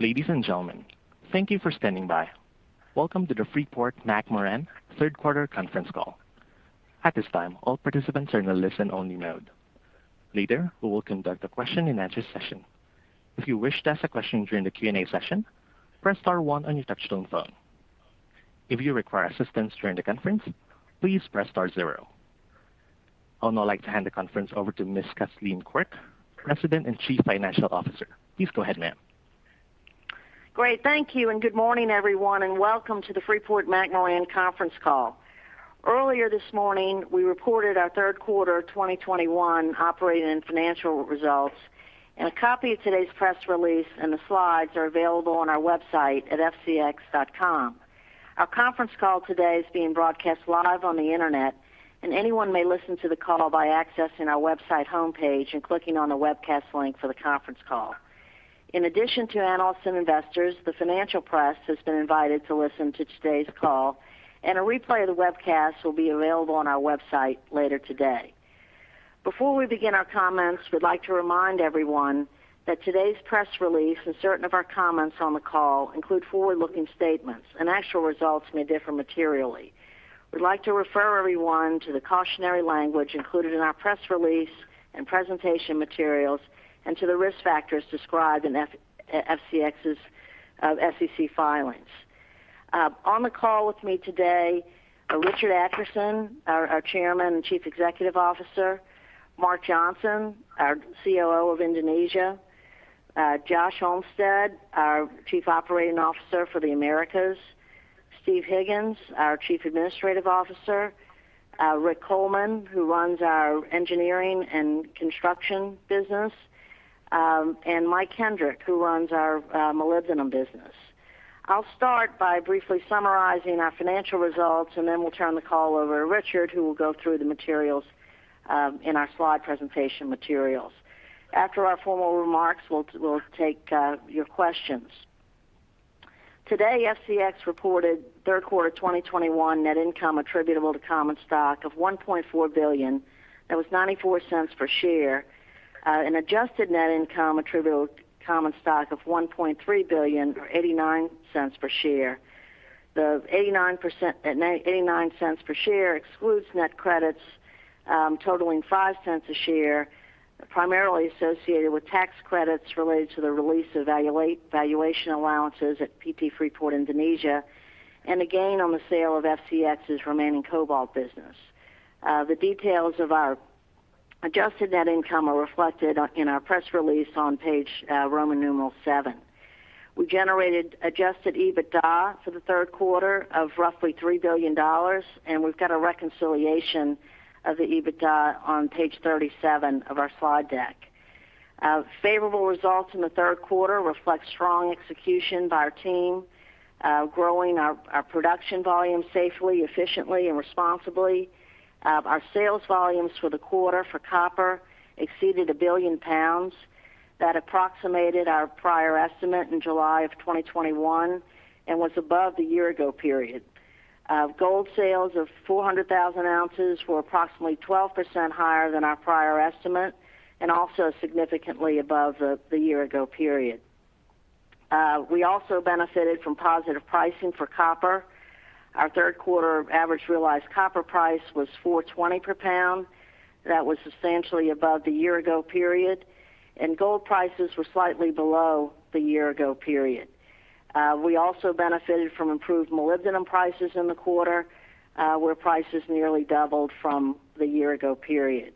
Ladies and gentlemen, thank you for standing by .Welcome to the Freeport-McMoRan third quarter conference call. At this time all participants are in a listen-only mode. Later we will conduct a question and answer session. If you wish to ask a question during the Q&A session, press star one on your touchtone phone. If you require assistance during the conference, please press star 0. I would now like to hand the conference over to Ms. Kathleen Quirk, President and Chief Financial Officer. Please go ahead, ma'am. Great. Thank you, and good morning, everyone, and welcome to the Freeport-McMoRan conference call. Earlier this morning, we reported our third quarter 2021 operating and financial results, and a copy of today's press release and the slides are available on our website at fcx.com. Our conference call today is being broadcast live on the internet, and anyone may listen to the call by accessing our website homepage and clicking on the webcast link for the conference call. In addition to analysts and investors, the financial press has been invited to listen to today's call, and a replay of the webcast will be available on our website later today. Before we begin our comments, we'd like to remind everyone that today's press release and certain of our comments on the call include forward-looking statements, and actual results may differ materially. We'd like to refer everyone to the cautionary language included in our press release and presentation materials and to the risk factors described in FCX's SEC filings. On the call with me today are Richard Adkerson, our Chairman and Chief Executive Officer, Mark Johnson, our COO of Indonesia, Josh Olmsted, our Chief Operating Officer for the Americas, Steve Higgins, our Chief Administrative Officer, Rick Coleman, who runs our engineering and construction business, and Mike Kendrick, who runs our molybdenum business. I'll start by briefly summarizing our financial results, and then we'll turn the call over to Richard, who will go through the materials in our slide presentation materials. After our formal remarks, we'll take your questions. Today, FCX reported third quarter 2021 net income attributable to common stock of $1.4 billion. That was $0.94 per share. An adjusted net income attributable to common stock of $1.3 billion, or $0.89 per share. The $0.89 per share excludes net credits totaling $0.05 a share, primarily associated with tax credits related to the release of valuation allowances at PT Freeport Indonesia, and a gain on the sale of FCX's remaining cobalt business. The details of our adjusted net income are reflected in our press release on page Roman numeral VII. We generated adjusted EBITDA for the third quarter of roughly $3 billion, we've got a reconciliation of the EBITDA on page 37 of our slide deck. Favorable results in the third quarter reflect strong execution by our team growing our production volume safely, efficiently and responsibly. Our sales volumes for the quarter for copper exceeded 1 billion pounds. That approximated our prior estimate in July of 2021 and was above the year ago period. Gold sales of 400,000 ounces were approximately 12% higher than our prior estimate, and also significantly above the year ago period. We also benefited from positive pricing for copper. Our third quarter average realized copper price was $4.20 per pound. That was substantially above the year ago period. Gold prices were slightly below the year ago period. We also benefited from improved molybdenum prices in the quarter, where prices nearly doubled from the year ago period.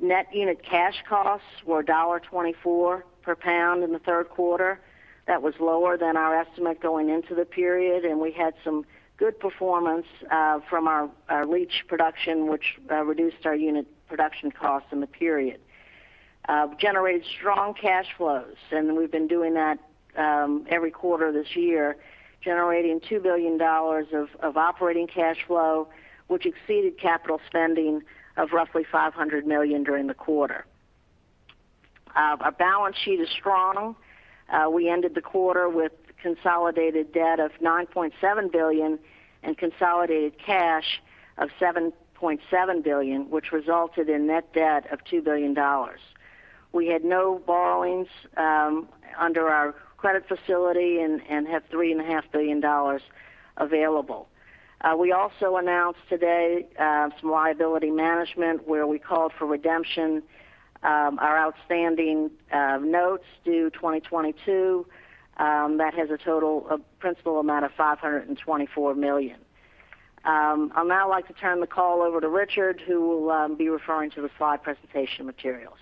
Net unit cash costs were $1.24 per pound in the third quarter. That was lower than our estimate going into the period, and we had some good performance from our leach production, which reduced our unit production costs in the period. We generated strong cash flows, and we've been doing that every quarter this year, generating $2 billion of operating cash flow, which exceeded capital spending of roughly $500 million during the quarter. Our balance sheet is strong. We ended the quarter with consolidated debt of $9.7 billion and consolidated cash of $7.7 billion, which resulted in net debt of $2 billion. We had no borrowings under our credit facility and have $3.5 billion available. We also announced today some liability management where we called for redemption our outstanding notes due 2022. That has a total principal amount of $524 million. I'd now like to turn the call over to Richard, who will be referring to the slide presentation materials.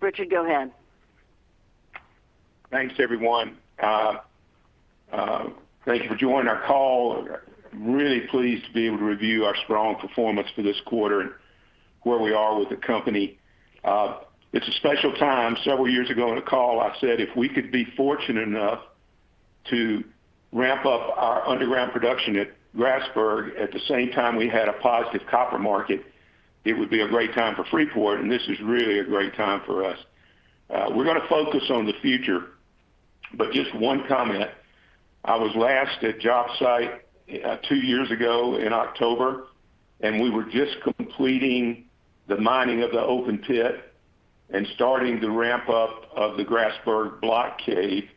Richard, go ahead. Thanks, everyone. Thank you for joining our call. Really pleased to be able to review our strong performance for this quarter and where we are with the company. It's a special time. Several years ago on a call, I said, if we could be fortunate enough to ramp up our underground production at Grasberg, at the same time we had a positive copper market, it would be a great time for Freeport. This is really a great time for us. We're going to focus on the future. Just one comment. I was last at job site two years ago in October. We were just completing the mining of the open pit and starting the ramp-up of the Grasberg Block Cave.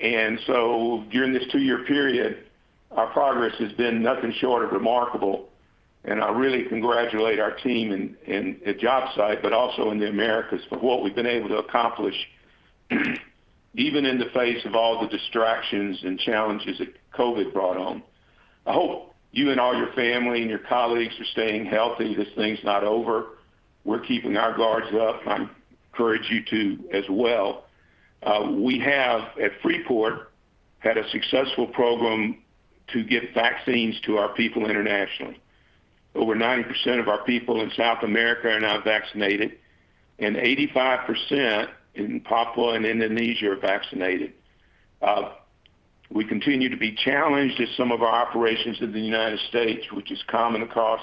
During this two-year period, our progress has been nothing short of remarkable. I really congratulate our team at job site, but also in the Americas for what we've been able to accomplish, even in the face of all the distractions and challenges that COVID brought on. I hope you and all your family and your colleagues are staying healthy. This thing's not over. We're keeping our guards up. I encourage you to as well. We have, at Freeport, had a successful program to give vaccines to our people internationally. Over 90% of our people in South America are now vaccinated, and 85% in Papua and Indonesia are vaccinated. We continue to be challenged at some of our operations in the United States, which is common across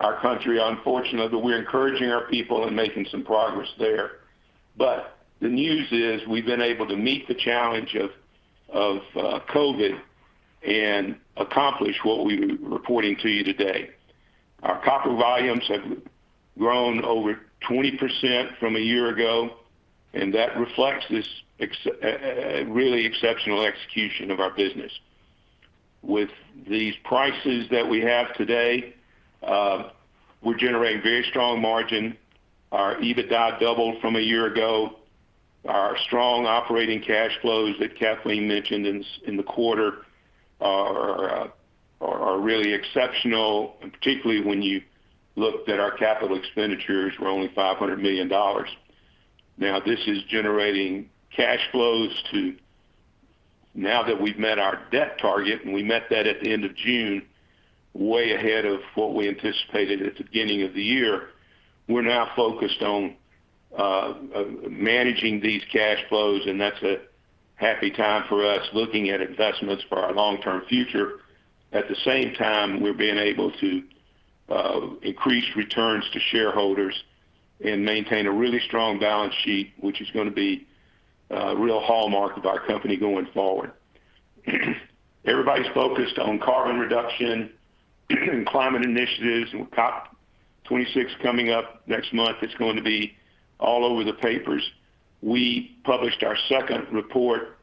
our country, unfortunately. We're encouraging our people and making some progress there. The news is, we've been able to meet the challenge of COVID and accomplish what we're reporting to you today. Our copper volumes have grown over 20% from a year ago. That reflects this really exceptional execution of our business. With these prices that we have today, we're generating very strong margin. Our EBITDA doubled from a year ago. Our strong operating cash flows that Kathleen mentioned in the quarter are really exceptional, particularly when you looked at our capital expenditures were only $500 million. Now that we've met our debt target, we met that at the end of June, way ahead of what we anticipated at the beginning of the year, we're now focused on managing these cash flows. That's a happy time for us, looking at investments for our long-term future. At the same time, we're being able to increase returns to shareholders and maintain a really strong balance sheet, which is going to be a real hallmark of our company going forward. Everybody's focused on carbon reduction and climate initiatives, and with COP26 coming up next month, it's going to be all over the papers. We published our second report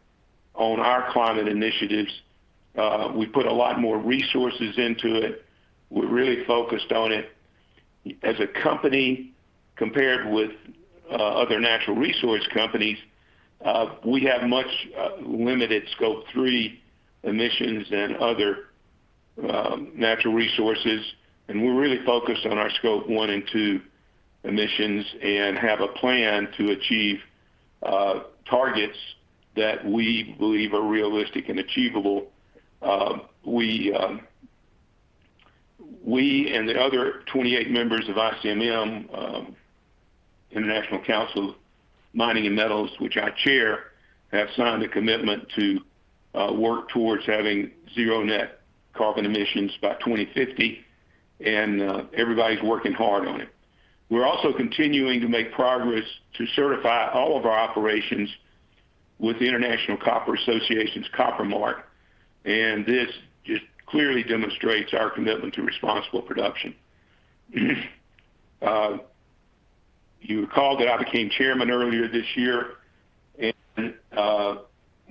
on our climate initiatives. We put a lot more resources into it. We're really focused on it. As a company, compared with other natural resource companies, we have much limited Scope 3 emissions than other natural resources, and we're really focused on our Scope 1 and 2 emissions and have a plan to achieve targets that we believe are realistic and achievable. We and the other 28 members of ICMM, International Council on Mining and Metals, which I chair, have signed a commitment to work towards having 0 net carbon emissions by 2050, and everybody's working hard on it. We're also continuing to make progress to certify all of our operations with the International Copper Association's Copper Mark, and this just clearly demonstrates our commitment to responsible production. You recall that I became chairman earlier this year, and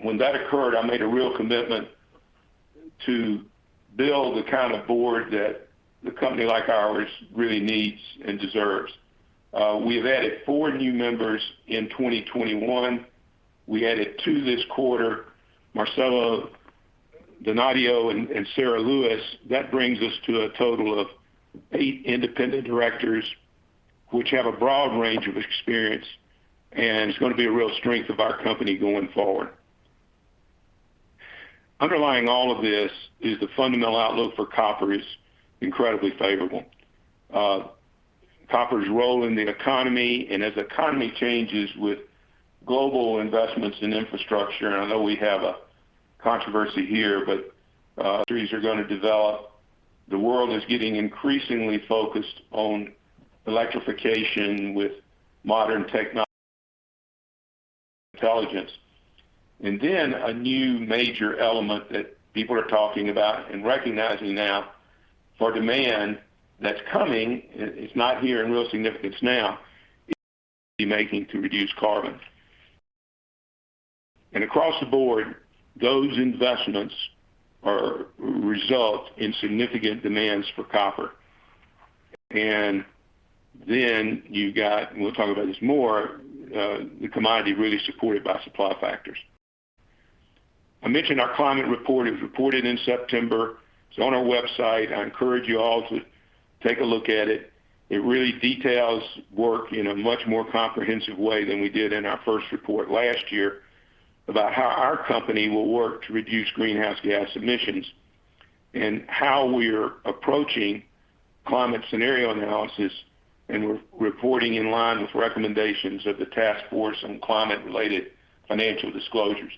when that occurred, I made a real commitment to build the kind of board that the company like ours really needs and deserves. We have added four new members in 2021. We added two this quarter, Marcela E. Donadio and Sara Grootwassink Lewis. That brings us to a total of eight independent directors, which have a broad range of experience, and it's going to be a real strength of our company going forward. Underlying all of this is the fundamental outlook for copper is incredibly favorable. Copper's role in the economy, as economy changes with global investments in infrastructure, I know we have a controversy here, trends are going to develop. The world is getting increasingly focused on electrification with modern techno- intelligence. A new major element that people are talking about and recognizing now for demand that's coming, it's not here in real significance now, is making to reduce carbon. Across the board, those investments result in significant demands for copper. You've got, we'll talk about this more, the commodity really supported by supply factors. I mentioned our climate report. It was reported in September. It's on our website. I encourage you all to take a look at it. It really details work in a much more comprehensive way than we did in our first report last year about how our company will work to reduce greenhouse gas emissions and how we're approaching climate scenario analysis and reporting in line with recommendations of the Task Force on Climate-related Financial Disclosures.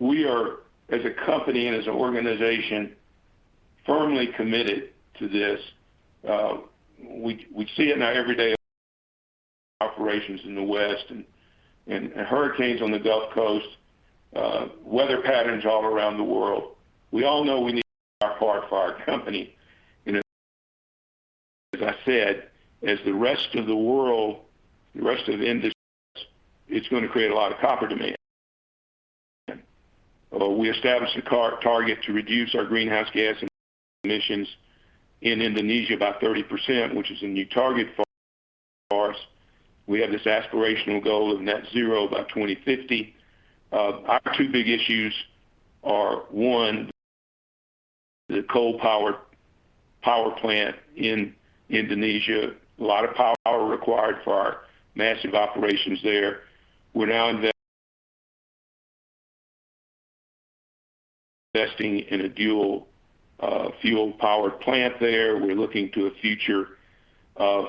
We are, as a company and as an organization firmly committed to this. We see it in our everyday operations in the West and hurricanes on the Gulf Coast, weather patterns all around the world. We all know we need to do our part for our company. As I said, as the rest of the world, the rest of the industry is, it's going to create a lot of copper demand. We established a target to reduce our greenhouse gas emissions in Indonesia by 30%, which is a new target for us. We have this aspirational goal of net zero by 2050. Our two big issues are, one, the coal power plant in Indonesia. A lot of power required for our massive operations there. We're now investing in a dual fuel-powered plant there. We're looking to a future of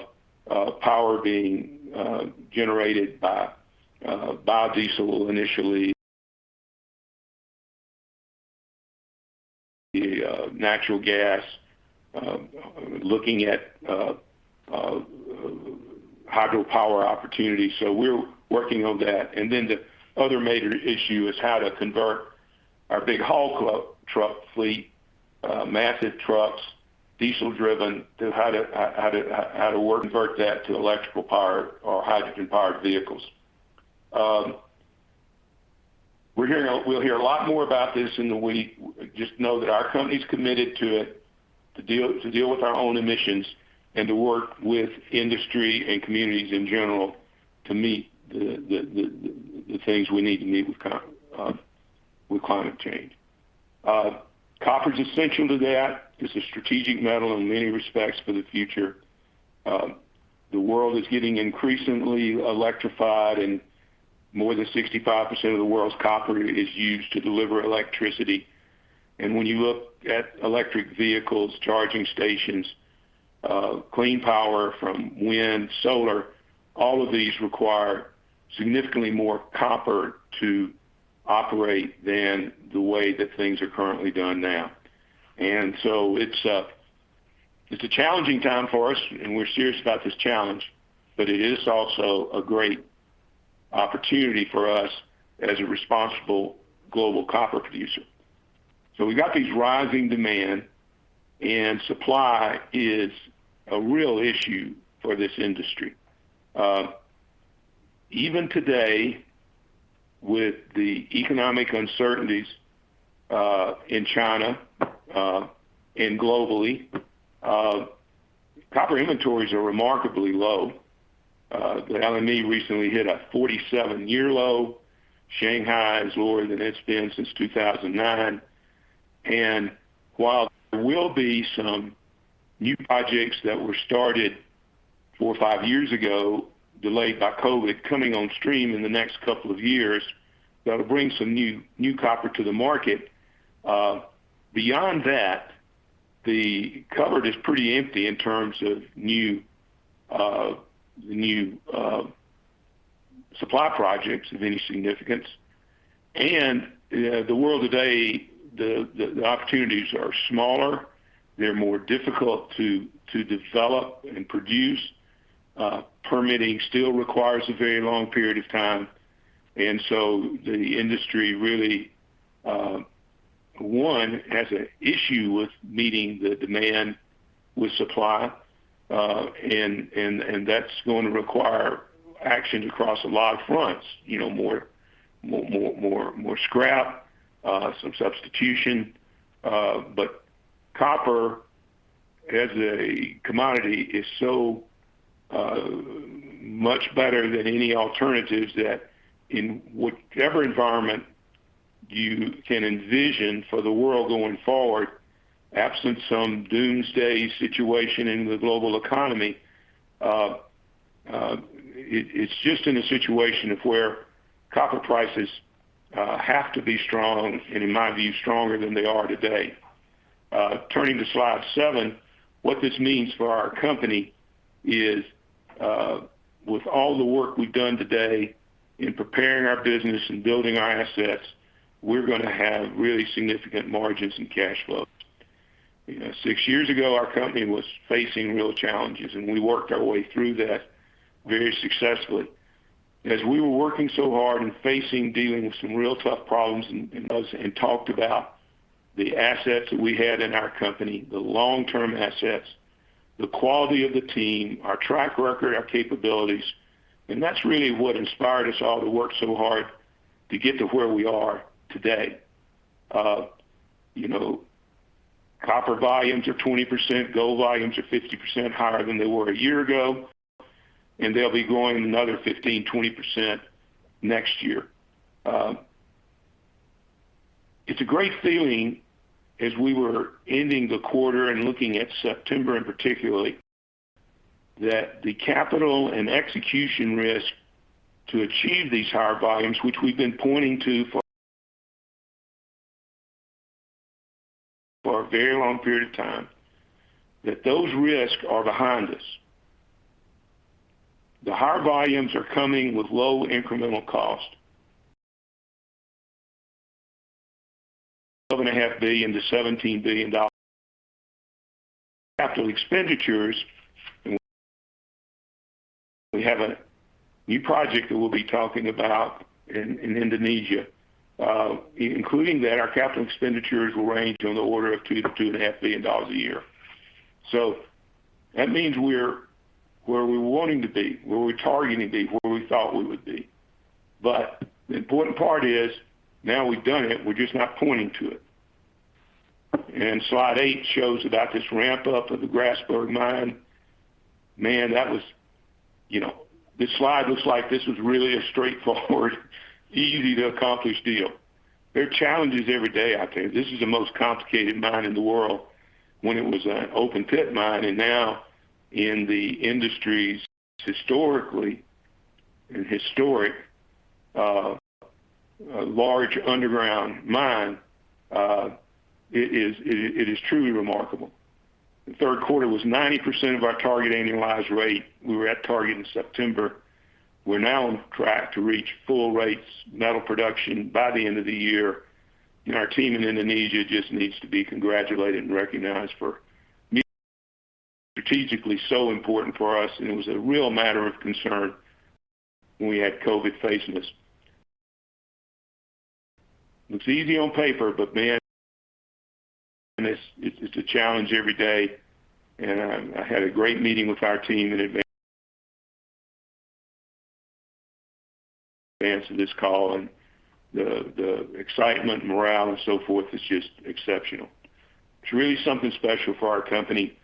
power being generated by biodiesel initially, the natural gas, looking at hydropower opportunities. We're working on that. The other major issue is how to convert our big haul truck fleet, massive trucks, diesel driven, to how to convert that to electrical power or hydrogen-powered vehicles. We'll hear a lot more about this in the week. Just know that our company's committed to it, to deal with our own emissions and to work with industry and communities in general to meet the things we need to meet with climate change. Copper's essential to that. It's a strategic metal in many respects for the future. The world is getting increasingly electrified, and more than 65% of the world's copper is used to deliver electricity. When you look at electric vehicles, charging stations, clean power from wind, solar, all of these require significantly more copper to operate than the way that things are currently done now. It's a challenging time for us, and we're serious about this challenge, but it is also a great opportunity for us as a responsible global copper producer. We got this rising demand, and supply is a real issue for this industry. Even today, with the economic uncertainties in China and globally, copper inventories are remarkably low. The LME recently hit a 47-year low. Shanghai is lower than it's been since 2009. While there will be some new projects that were started four or five years ago, delayed by COVID, coming on stream in the next couple of years, that'll bring some new copper to the market. Beyond that, the cupboard is pretty empty in terms of new supply projects of any significance. The world today, the opportunities are smaller. They're more difficult to develop and produce. Permitting still requires a very long period of time. The industry really, one, has an issue with meeting the demand with supply, and that's going to require action across a lot of fronts. More scrap, some substitution. Copper as a commodity is so much better than any alternatives that in whichever environment you can envision for the world going forward, absent some doomsday situation in the global economy, it's just in a situation of where copper prices have to be strong, and in my view, stronger than they are today. Turning to slide seven, what this means for our company is, with all the work we've done today in preparing our business and building our assets, we're going to have really significant margins and cash flow. Six years ago, our company was facing real challenges, and we worked our way through that very successfully. As we were working so hard, dealing with some real tough problems, and talked about the assets that we had in our company, the long-term assets, the quality of the team, our track record, our capabilities, and that's really what inspired us all to work so hard to get to where we are today. Copper volumes are 20%, gold volumes are 50% higher than they were a year ago, and they'll be growing another 15%-20% next year. It's a great feeling as we were ending the quarter and looking at September in particular, that the capital and execution risk to achieve these higher volumes, which we've been pointing to for a very long period of time, that those risks are behind us. The higher volumes are coming with low incremental cost. $12.5 billion-$17 billion capital expenditures. We have a new project that we'll be talking about in Indonesia. Including that, our capital expenditures will range on the order of $2 billion-$2.5 billion a year. That means we're where we were wanting to be, where we targeted to be, where we thought we would be. The important part is, now we've done it, we're just not pointing to it. Slide eight shows about this ramp up of the Grasberg mine. Man, this slide looks like this was really a straightforward, easy to accomplish deal. There are challenges every day out there. This is the most complicated mine in the world when it was an open pit mine, and now in the industry's historically, and historic, large underground mine, it is truly remarkable. The third quarter was 90% of our target annualized rate. We were at target in September. We're now on track to reach full rates metal production by the end of the year. Our team in Indonesia just needs to be congratulated and recognized for strategically so important for us, and it was a real matter of concern when we had COVID facing us. It's easy on paper, but man, it's a challenge every day. I had a great meeting with our team in advance of this call, and the excitement, morale, and so forth, is just exceptional. It's really something special for our company,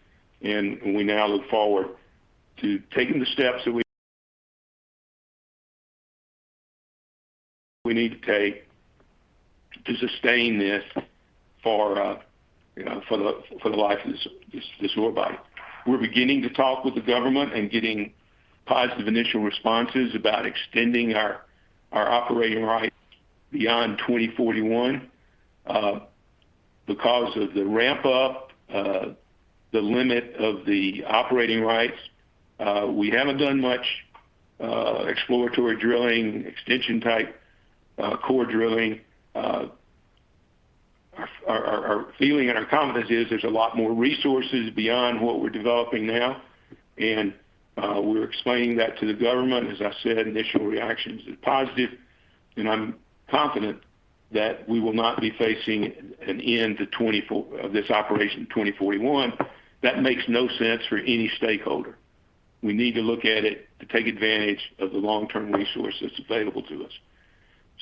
and we now look forward to taking the steps that we need to take to sustain this for the life of this ore body. We're beginning to talk with the government and getting positive initial responses about extending our operating rights beyond 2041. Because of the ramp-up, the limit of the operating rights, we haven't done much exploratory drilling, extension-type core drilling. Our feeling and our confidence is there's a lot more resources beyond what we're developing now, and we're explaining that to the government. As I said, initial reactions are positive, and I'm confident that we will not be facing an end of this operation in 2041. That makes no sense for any stakeholder. We need to look at it to take advantage of the long-term resources available to us.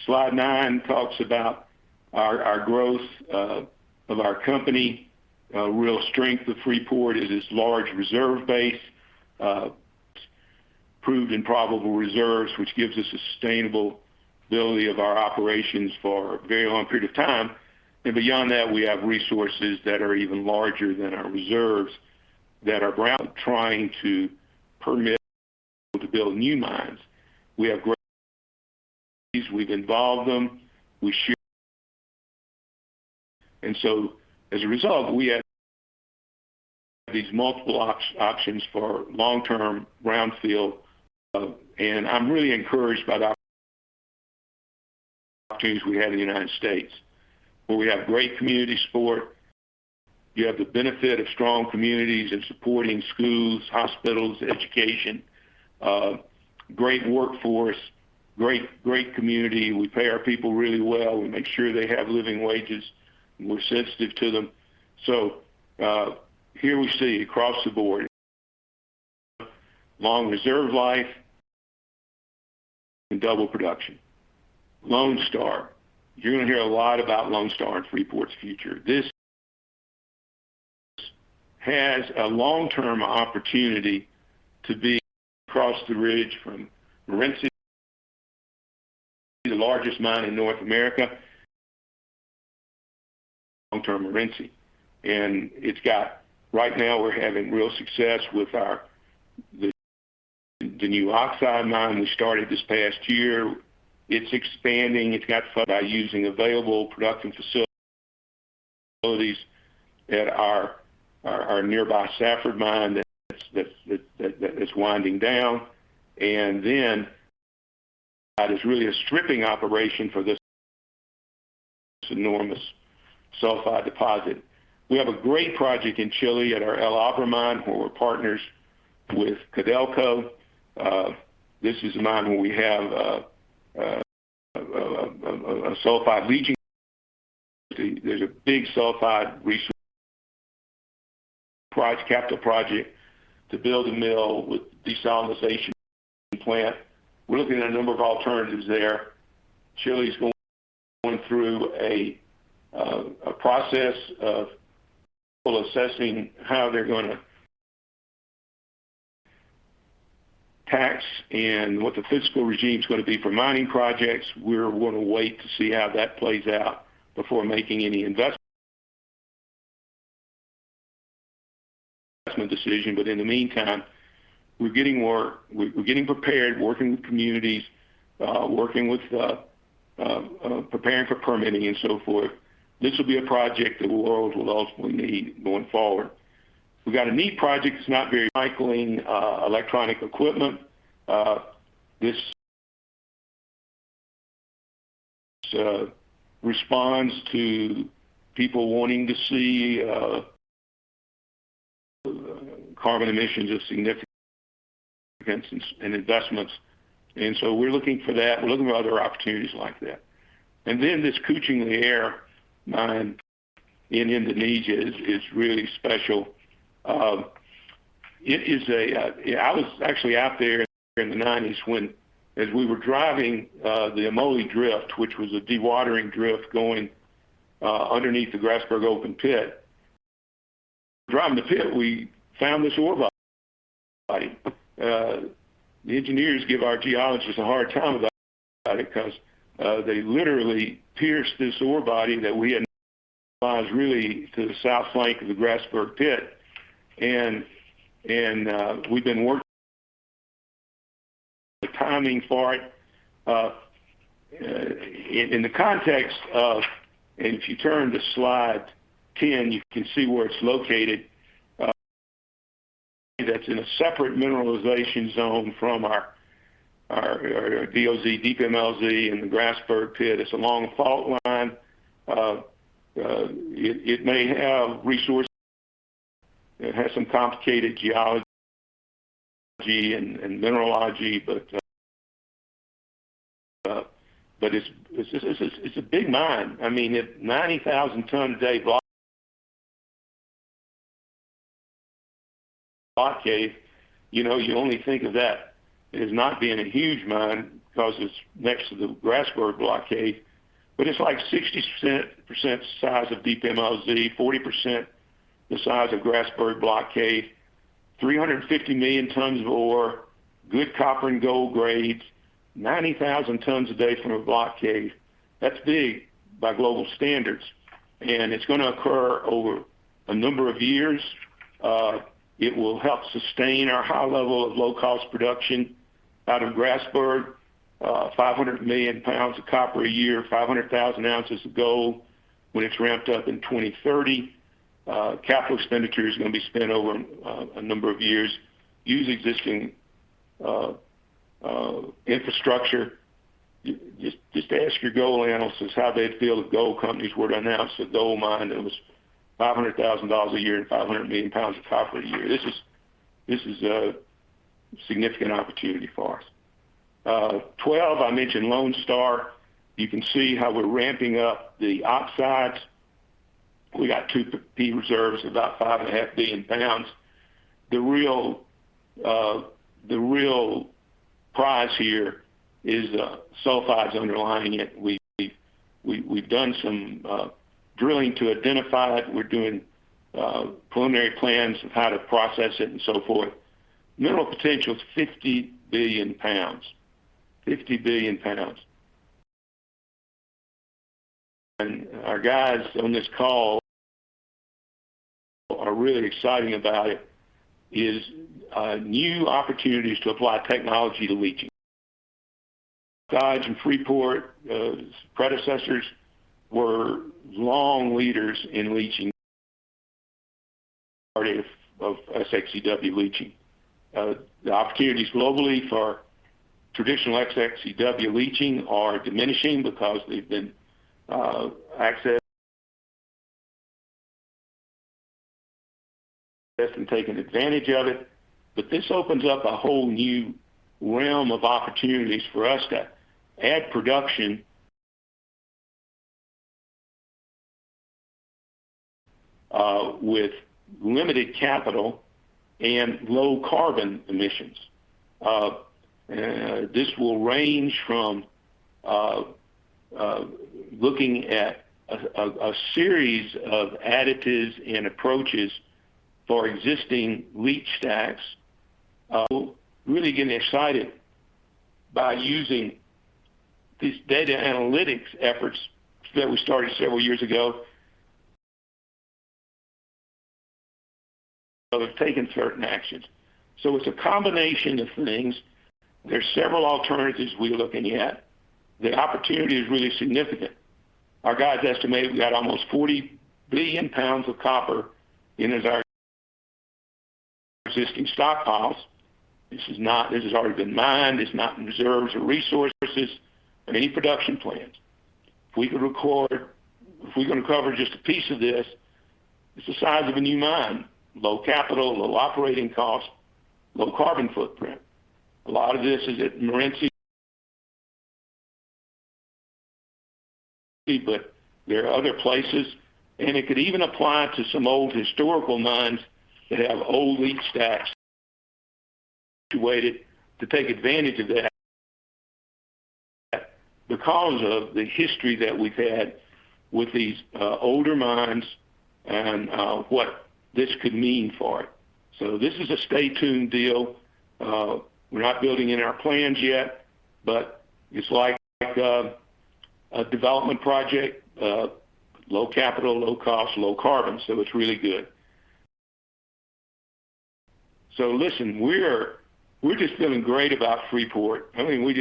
Slide nine talks about our growth of our company. A real strength of Freeport is its large reserve base. Proved and probable reserves, which gives us sustainability of our operations for a very long period of time. Beyond that, we have resources that are even larger than our reserves that are ground trying to permit to build new mines. We have great, we've involved them, we share. As a result, we have these multiple options for long-term brownfield. I'm really encouraged by the opportunities we have in the U.S., where we have great community support. You have the benefit of strong communities and supporting schools, hospitals, education. Great workforce, great community. We pay our people really well. We make sure they have living wages, and we're sensitive to them. Here we see across the board, long reserve life and double production. Lone Star. You're going to hear a lot about Lone Star in Freeport's future. This has a long-term opportunity to be across the ridge from Morenci, the largest mine in North America. Long-term Morenci. Right now, we're having real success with the new oxide mine we started this past year. It's expanding. It's got funded by using available production facilities at our nearby Sierrita mine that is winding down. That is really a stripping operation for this enormous sulfide deposit. We have a great project in Chile at our El Abra mine, where we're partners with Codelco. This is a mine where we have a sulfide leaching. There's a big sulfide resource, capital project to build a mill with desalinization plant. We're looking at a number of alternatives there. Chile's going through a process of people assessing how they're going to tax and what the fiscal regime's going to be for mining projects. We're going to wait to see how that plays out before making any investment decision. In the meantime, we're getting prepared, working with communities, preparing for permitting and so forth. This will be a project that the world will ultimately need going forward. We've got a neat project that's not very cycling electronic equipment. This responds to people wanting to see carbon emissions of significant investments. We're looking for that. We're looking for other opportunities like that. This Kucing Liar mine in Indonesia is really special. I was actually out there in the 1990s, as we were driving the Amole Drift, which was a dewatering drift going underneath the Grasberg open pit. Driving the pit, we found this ore body. The engineers give our geologists a hard time about it because they literally pierced this ore body that we hadn't really to the south flank of the Grasberg pit. We've been working the timing for it. In the context of, if you turn to slide 10, you can see where it's located. That's in a separate mineralization zone from our DMLZ and the Grasberg pit. It's along a fault line. It may have resource it has some complicated geology and mineralogy, but it's a big mine. If 90,000 tons a day block cave, you only think of that as not being a huge mine because it's next to the Grasberg block cave. It's like 60% the size of DMLZ, 40% the size of Grasberg block cave, 350 million tons of ore, good copper and gold grades, 90,000 tons a day from a block cave. That's big by global standards, and it's going to occur over a number of years. It will help sustain our high level of low-cost production out of Grasberg, 500 million pounds of copper a year, 500,000 ounces of gold when it's ramped up in 2030. Capital expenditure is going to be spent over a number of years. Use existing infrastructure. Just ask your gold analysts how they'd feel if gold companies were to announce a gold mine that was $500,000 a year and 500 million pounds of copper a year. This is a significant opportunity for us. 12, I mentioned Lone Star. You can see how we're ramping up the oxides. We got 2P reserves of about 5.5 billion pounds. The real prize here is the sulfides underlying it. We've done some drilling to identify it. We're doing preliminary plans of how to process it and so forth. Mineral potential is 50 billion pounds. 50 billion pounds. Our guys in Freeport-McMoRan on this call are really excited about it, is new opportunities to apply technology to leaching. Guys in Freeport, predecessors were long leaders in leaching of SX/CW leaching. The opportunities globally for traditional SX/EW leaching are diminishing because they've been accessed and taken advantage of it. This opens up a whole new realm of opportunities for us to add production with limited capital and low carbon emissions. This will range from looking at a series of additives and approaches for existing leach stacks. Really getting excited by using these data analytics efforts that we started several years ago, of taking certain actions. It's a combination of things. There's several alternatives we're looking at. The opportunity is really significant. Our guys estimate we got almost 40 billion pounds of copper in our existing stockpiles. This has already been mined. It's not in reserves or resources or any production plans. If we can recover just a piece of this, it's the size of a new mine, low capital, low operating cost, low carbon footprint. A lot of this is at Morenci, there are other places, it could even apply to some old historical mines that have old leach stacks situated to take advantage of that because of the history that we've had with these older mines and what this could mean for it. This is a stay tuned deal. We're not building in our plans yet, it's like a development project, low capital, low cost, low carbon, it's really good. Listen, we're just feeling great about Freeport. I mean, we've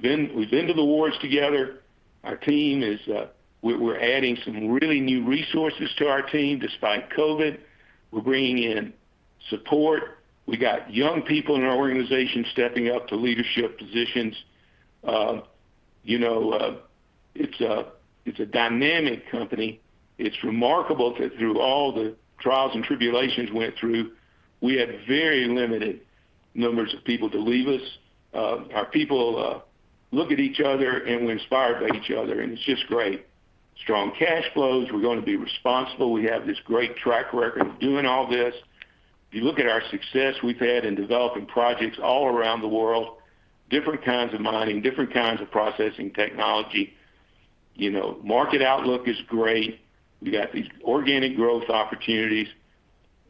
been to the wars together. We're adding some really new resources to our team, despite COVID. We're bringing in support. We got young people in our organization stepping up to leadership positions. It's a dynamic company. It's remarkable that through all the trials and tribulations we went through, we had very limited numbers of people to leave us. Our people look at each other, we're inspired by each other, and it's just great. Strong cash flows. We're going to be responsible. We have this great track record of doing all this. If you look at our success we've had in developing projects all around the world, different kinds of mining, different kinds of processing technology. Market outlook is great. We've got these organic growth opportunities.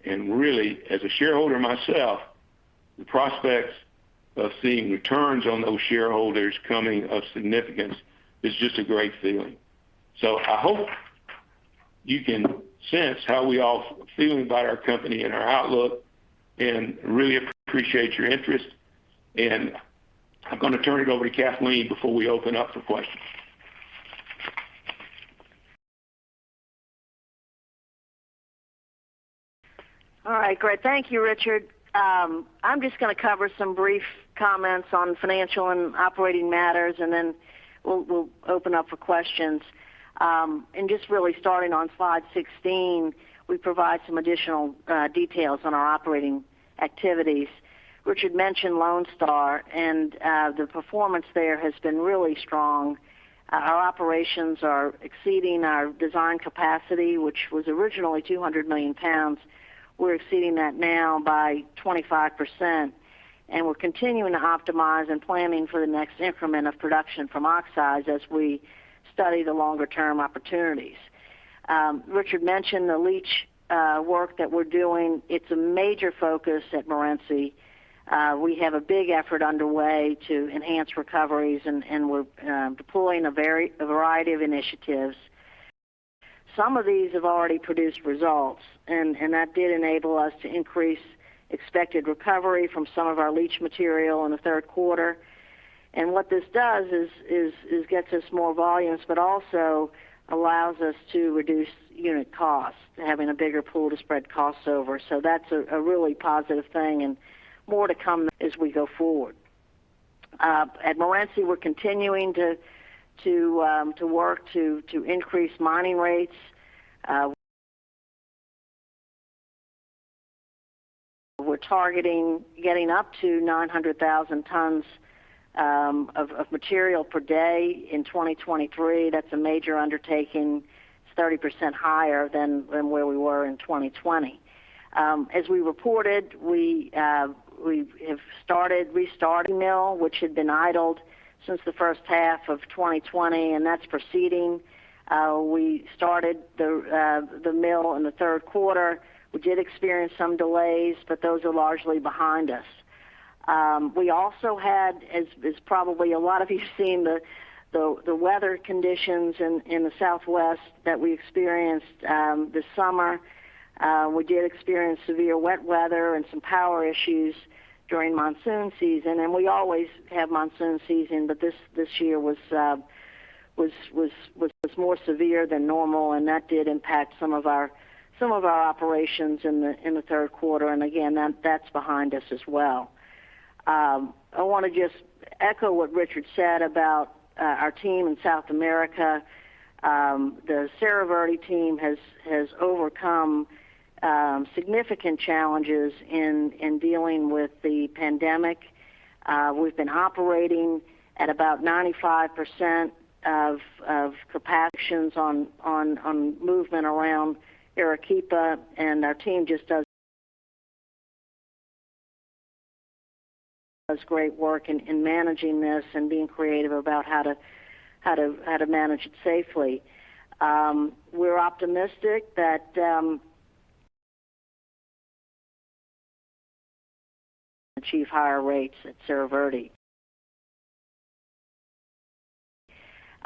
Really, as a shareholder myself, the prospects of seeing returns on those shareholders coming of significance is just a great feeling. I hope you can sense how we all feel about our company and our outlook, and really appreciate your interest. I'm going to turn it over to Kathleen before we open up for questions. All right, great. Thank you, Richard. I'm just going to cover some brief comments on financial and operating matters, and then we'll open up for questions. Just really starting on slide 16, we provide some additional details on our operating activities. Richard mentioned Lone Star, and the performance there has been really strong. Our operations are exceeding our design capacity, which was originally 200 million pounds. We're exceeding that now by 25%, and we're continuing to optimize and planning for the next increment of production from oxides as we study the longer-term opportunities. Richard mentioned the leach work that we're doing. It's a major focus at Morenci. We have a big effort underway to enhance recoveries, and we're deploying a variety of initiatives. Some of these have already produced results, and that did enable us to increase expected recovery from some of our leach material in the third quarter. What this does is gets us more volumes, but also allows us to reduce unit costs, having a bigger pool to spread costs over. That's a really positive thing, and more to come as we go forward. At Morenci, we're continuing to work to increase mining rates. We're targeting getting up to 900,000 tons of material per day in 2023. That's a major undertaking. It's 30% higher than where we were in 2020. As we reported, we have restarted mill, which had been idled since the first half of 2020, and that's proceeding. We started the mill in the third quarter. We did experience some delays, but those are largely behind us. We also had, as probably a lot of you seen the weather conditions in the Southwest that we experienced this summer. We did experience severe wet weather and some power issues during monsoon season, we always have monsoon season, but this year was more severe than normal, and that did impact some of our operations in the third quarter. Again, that's behind us as well. I want to just echo what Richard said about our team in South America. The Cerro Verde team has overcome significant challenges in dealing with the pandemic. We've been operating at about 95% of capacity on movement around Arequipa, our team just does great work in managing this and being creative about how to manage it safely. We're optimistic that achieve higher rates at Cerro Verde.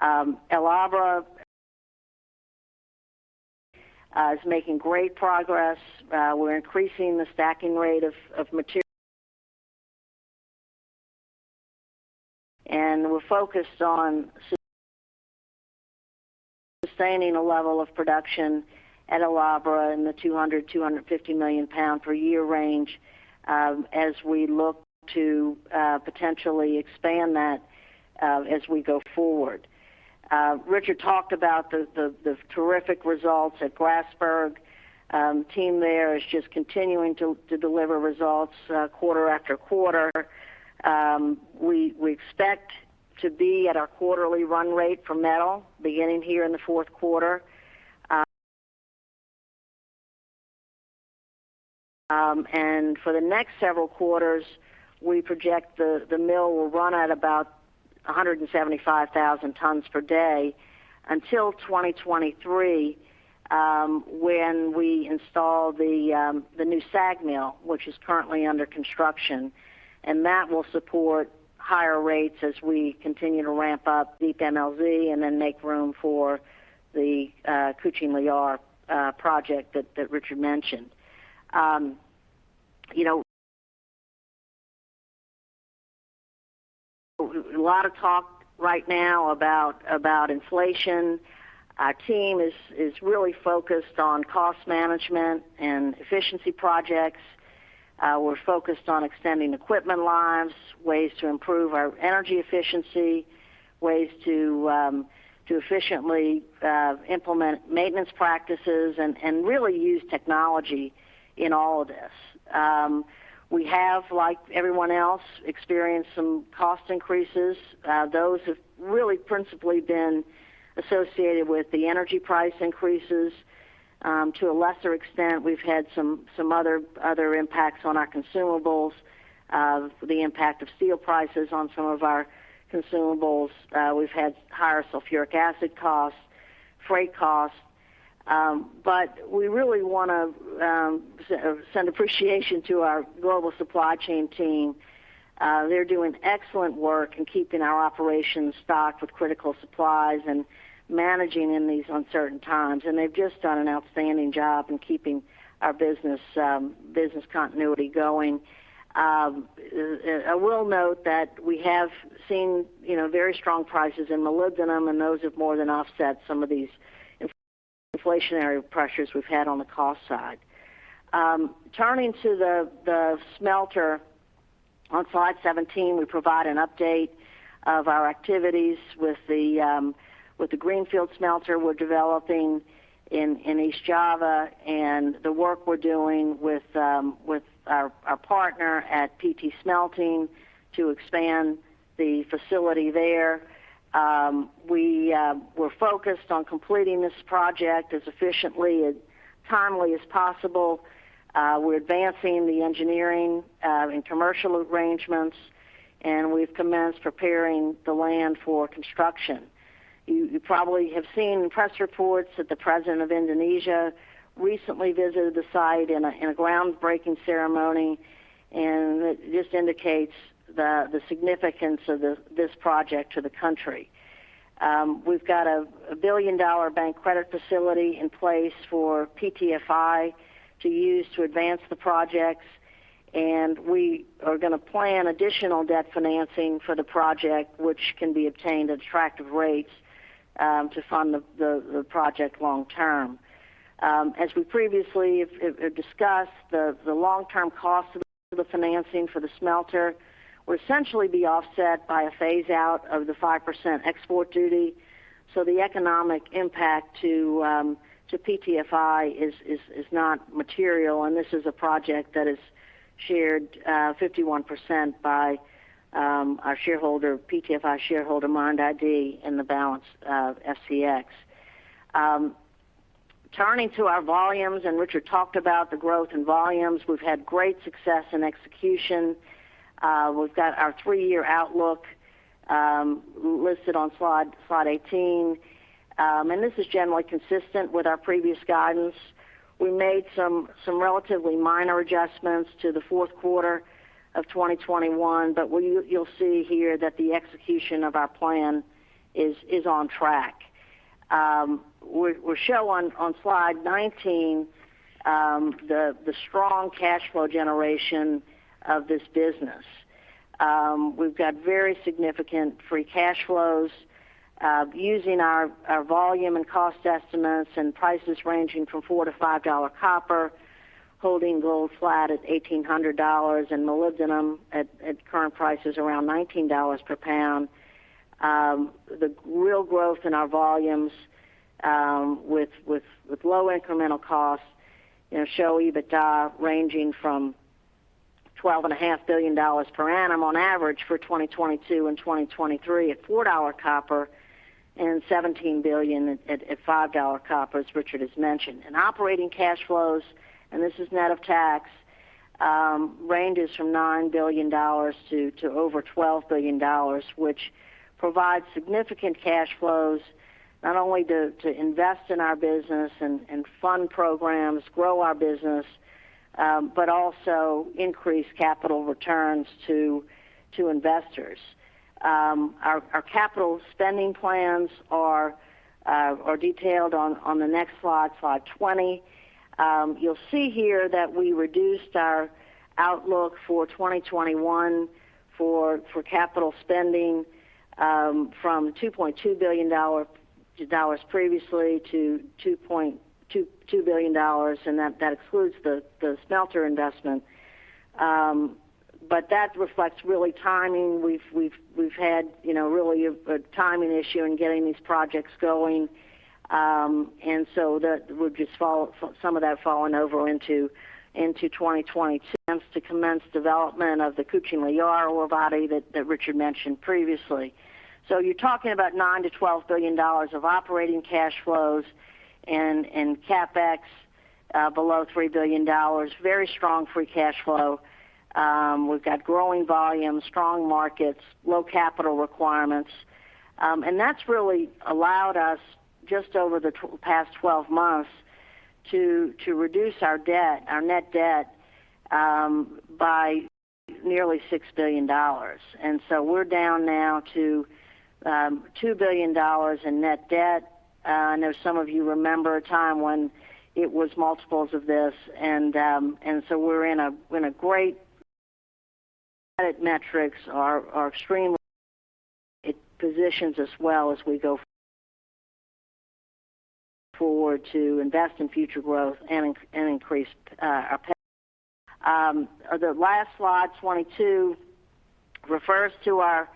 El Abra is making great progress. We're increasing the stacking rate of material, and we're focused on sustaining a level of production at El Abra in the 200 million-250 million pound per year range, as we look to potentially expand that as we go forward. Richard talked about the terrific results at Grasberg. Team there is just continuing to deliver results quarter after quarter. We expect to be at our quarterly run rate for metal beginning here in the fourth quarter. For the next several quarters, we project the mill will run at about 175,000 tons per day until 2023, when we install the new SAG mill, which is currently under construction. That will support higher rates as we continue to ramp up DMLZ and then make room for the Kucing Liar project that Richard mentioned. A lot of talk right now about inflation. Our team is really focused on cost management and efficiency projects. We're focused on extending equipment lives, ways to improve our energy efficiency, ways to efficiently implement maintenance practices, and really use technology in all of this. We have, like everyone else, experienced some cost increases. Those have really principally been associated with the energy price increases. To a lesser extent, we've had some other impacts on our consumables, the impact of steel prices on some of our consumables. We've had higher sulfuric acid costs, freight costs. We really want to send appreciation to our global supply chain team. They're doing excellent work in keeping our operations stocked with critical supplies and managing in these uncertain times. They've just done an outstanding job in keeping our business continuity going. I will note that we have seen very strong prices in molybdenum, and those have more than offset some of these inflationary pressures we've had on the cost side. Turning to the smelter, on slide 17, we provide an update of our activities with the greenfield smelter we're developing in East Java and the work we're doing with our partner at PT Smelting to expand the facility there. We're focused on completing this project as efficiently and timely as possible. We're advancing the engineering and commercial arrangements. We've commenced preparing the land for construction. You probably have seen press reports that the president of Indonesia recently visited the site in a groundbreaking ceremony. It just indicates the significance of this project to the country. We've got a $1 billion bank credit facility in place for PTFI to use to advance the projects. We are going to plan additional debt financing for the project, which can be obtained at attractive rates to fund the project long term. As we previously have discussed, the long-term cost of the financing for the smelter will essentially be offset by a phase-out of the 5% export duty. The economic impact to PTFI is not material, and this is a project that is shared 51% by our shareholder, PTFI shareholder MIND ID, and the balance of FCX. Turning to our volumes, and Richard talked about the growth in volumes. We've had great success in execution. We've got our three-year outlook listed on slide 18, and this is generally consistent with our previous guidance. We made some relatively minor adjustments to the fourth quarter of 2021, but you'll see here that the execution of our plan is on track. We show on slide 19 the strong cash flow generation of this business. We've got very significant free cash flows using our volume and cost estimates and prices ranging from $4-$5 copper, holding gold flat at $1,800, and molybdenum at current prices around $19 per pound. The real growth in our volumes with low incremental costs show EBITDA ranging from $12.5 billion per annum on average for 2022 and 2023 at $4 copper and $17 billion at $5 copper, as Richard has mentioned. Operating cash flows, and this is net of tax, ranges from $9 billion to over $12 billion, which provides significant cash flows, not only to invest in our business and fund programs, grow our business, but also increase capital returns to investors. Our capital spending plans are detailed on the next slide 20. You'll see here that we reduced our outlook for 2021 for capital spending from $2.2 billion previously to $2.2 billion. That excludes the smelter investment. That reflects really timing. We've had really a timing issue in getting these projects going. Some of that fallen over into 2022 to commence development of the Kucing Liar ore body that Richard mentioned previously. You're talking about $9 billion-$12 billion of operating cash flows and CapEx below $3 billion. Very strong free cash flow. We've got growing volumes, strong markets, low capital requirements. That's really allowed us just over the past 12 months to reduce our net debt by nearly $6 billion. We're down now to $2 billion in net debt. I know some of you remember a time when it was multiples of this. It positions us well as we go forward to invest in future growth and increase our payout. The last slide, 22, refers to our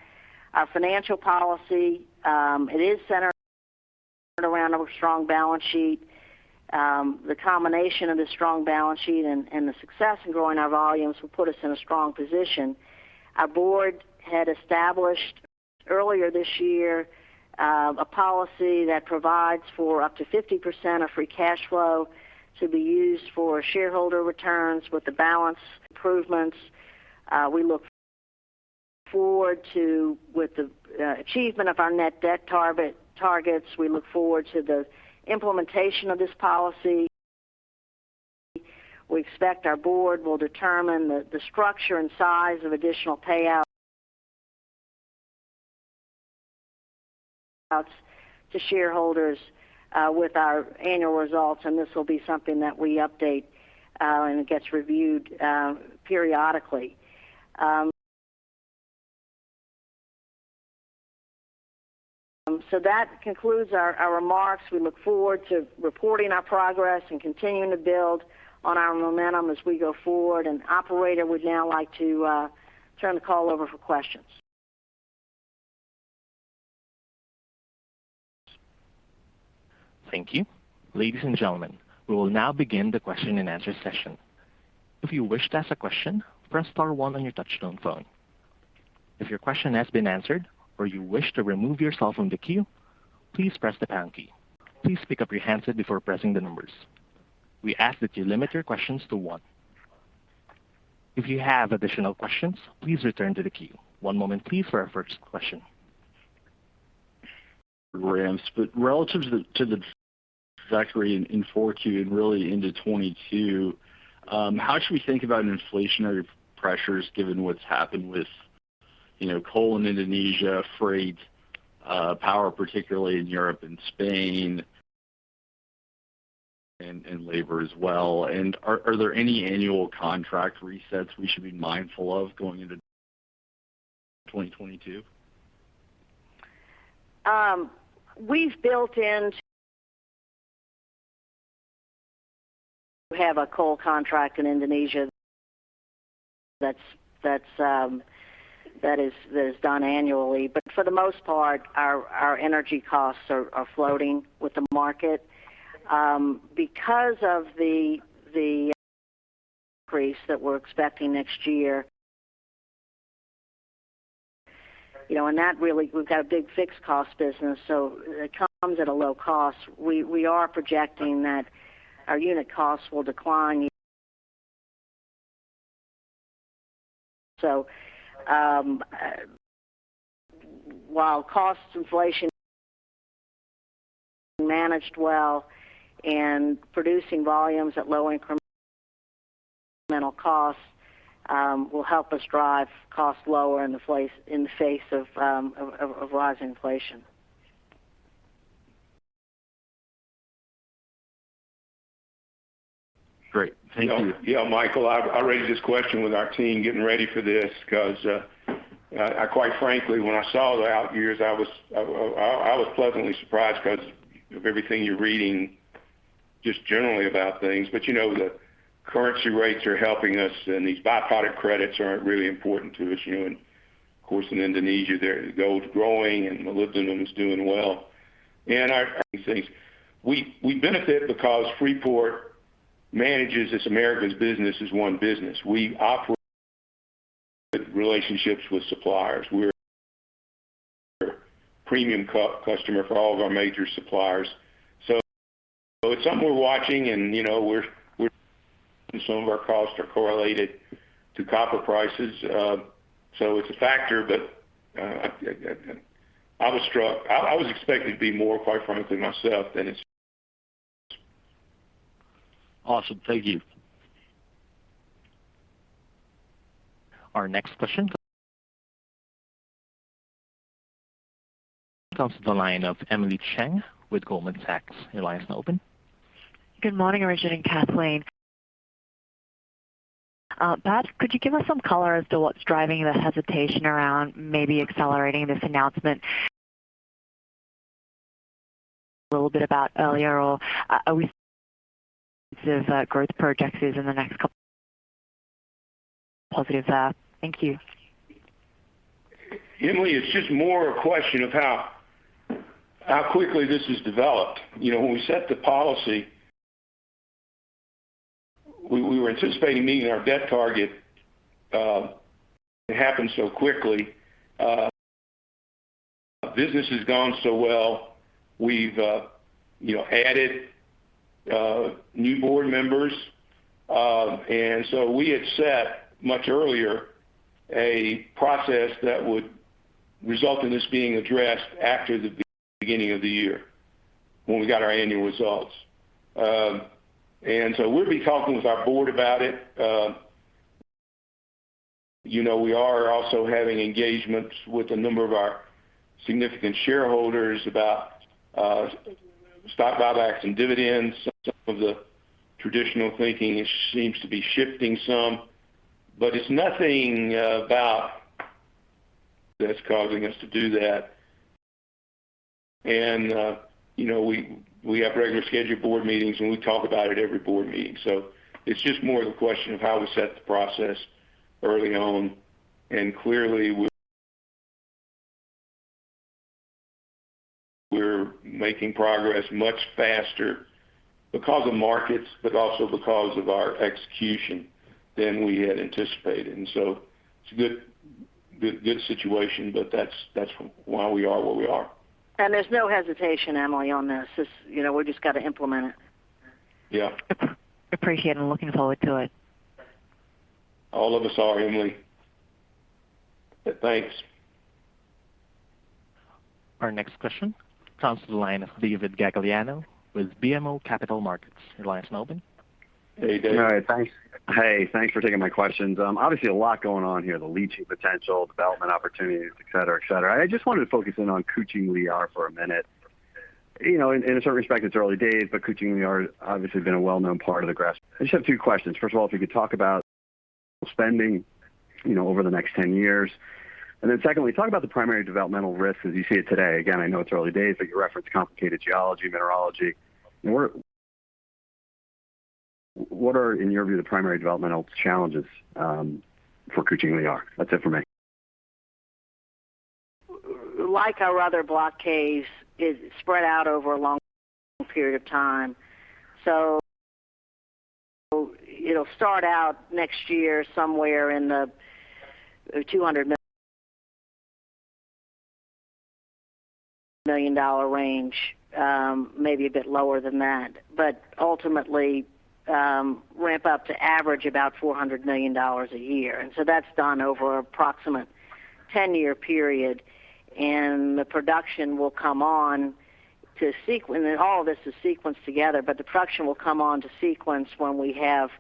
financial policy. It is centered around a strong balance sheet. The combination of the strong balance sheet and the success in growing our volumes will put us in a strong position. Our board had established earlier this year, a policy that provides for up to 50% of free cash flow to be used for shareholder returns with the balance improvements. With the achievement of our net debt targets, we look forward to the implementation of this policy. We expect our board will determine the structure and size of additional payouts to shareholders with our annual results, and this will be something that we update, and it gets reviewed periodically. That concludes our remarks. We look forward to reporting our progress and continuing to build on our momentum as we go forward. Operator, we'd now like to turn the call over for questions. Thank you. Ladies and gentlemen, we will now begin the question and answer session. If you wish to ask a question, press star one on your touchtone phone. If your question has been answered or you wish to remove yourself from the queue, please press the pound key. Please pick up your handset before pressing the numbers. We ask that you limit your questions to one. If you have additional questions, please return to the queue. One moment please for our first question. Ramps, but relative to the factory in 4Q and really into 2022, how should we think about inflationary pressures given what's happened with coal in Indonesia, freight power, particularly in Europe and Spain, and labor as well? Are there any annual contract resets we should be mindful of going into 2022? We've built in to have a coal contract in Indonesia that is done annually. For the most part, our energy costs are floating with the market. Of the increase that we're expecting next year, we've got a big fixed cost business, so it comes at a low cost. We are projecting that our unit costs will decline. While cost inflation managed well and producing volumes at low incremental costs, will help us drive costs lower in the face of rising inflation. Great. Thank you. Yeah, Michael, I raised this question with our team getting ready for this because, I quite frankly, when I saw the out years, I was pleasantly surprised because of everything you're reading just generally about things. The currency rates are helping us, and these byproduct credits aren't really important to us. Of course, in Indonesia, gold's growing and molybdenum is doing well. I think we benefit because Freeport manages its Americas business as one business. We operate relationships with suppliers. We're a premium customer for all of our major suppliers. It's something we're watching and some of our costs are correlated to copper prices. It's a factor, but I was expecting to be more, quite frankly, myself. Awesome. Thank you. Our next question comes to the line of Emily Chieng with Goldman Sachs. Your line is now open. Good morning, Richard and Kathleen. Could you give us some color as to what's driving the hesitation around maybe accelerating this announcement a little bit about earlier, or are we growth projects is in the next couple positive? Thank you. Emily, it's just more a question of how quickly this has developed. When we set the policy, we were anticipating meeting our debt target. It happened so quickly. Business has gone so well. We've added new board members. We had set much earlier a process that would result in this being addressed after the beginning of the year, when we got our annual results. We'll be talking with our board about it. We are also having engagements with a number of our significant shareholders about stock buybacks and dividends. Some of the traditional thinking seems to be shifting some, but it's nothing about that's causing us to do that. We have regular scheduled board meetings, and we talk about it every board meeting. It's just more the question of how to set the process early on, and clearly we're making progress much faster because of markets, but also because of our execution than we had anticipated. It's a good situation, but that's why we are where we are. There's no hesitation, Emily, on this. We've just got to implement it. Yeah. Appreciate it and looking forward to it. All of us are, Emily. Thanks. Our next question comes to the line of David Gagliano with BMO Capital Markets. Elias, Melbourne. Hey, David. All right. Thanks. Hey, thanks for taking my questions. Obviously, a lot going on here, the leaching potential, development opportunities, et cetera. I just wanted to focus in on Kucing Liar for a minute. In a certain respect, it's early days, but Kucing Liar obviously been a well-known part of the Grasberg. I just have two questions. First of all, if you could talk about spending over the next 10 years, and then secondly, talk about the primary developmental risk as you see it today. Again, I know it's early days, but you referenced complicated geology, mineralogy. What are, in your view, the primary developmental challenges for Kucing Liar? That's it for me. Like our other block caves, it is spread out over a long period of time. So you know, it'll start out next year somewhere in the $200 million range, maybe a bit lower than that, but ultimately, ramp up to average about $400 million a year. That's done over an approximate 10-year period, and the production will come on to sequence. All of this is sequenced together, but the production will come on to sequence when we have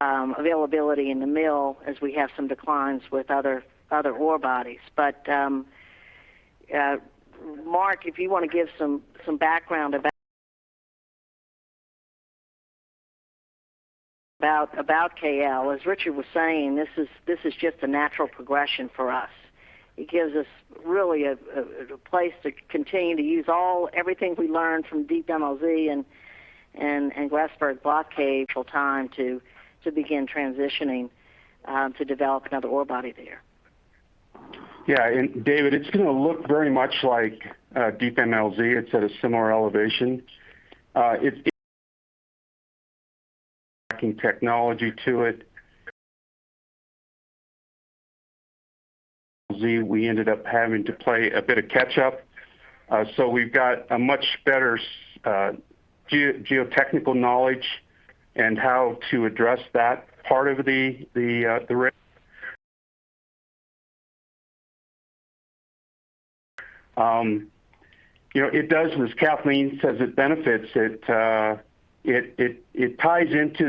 availability in the mill as we have some declines with other ore bodies. Mark, if you want to give some background about KL. As Richard was saying, this is just a natural progression for us. It gives us really a place to continue to use everything we learned from DMLZ and Grasberg Block Cave full time to begin transitioning to develop another ore body there. David, it's going to look very much like DMLZ. It's at a similar elevation. It's technology to it. We ended up having to play a bit of catch-up. We've got a much better geotechnical knowledge and how to address that part of the risk. It does, as Kathleen says, it benefits, it ties into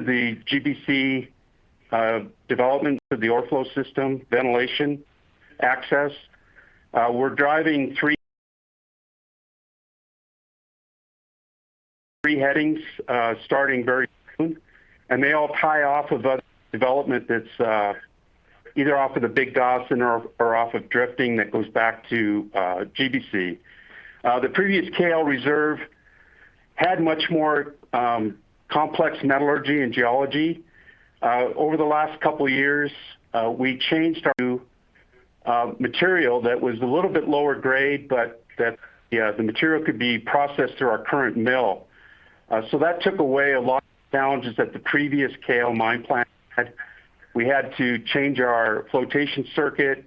the GBC development of the ore flow system, ventilation, access. We're driving three headings, starting very soon, and they all tie off of a development that's either off of the Big Gossan or off of Drifting that goes back to GBC. The previous KL reserve had much more complex metallurgy and geology. Over the last couple of years, we changed our material that was a little bit lower grade, but that the material could be processed through our current mill. That took away a lot of challenges that the previous KL mine plant had. We had to change our flotation circuit.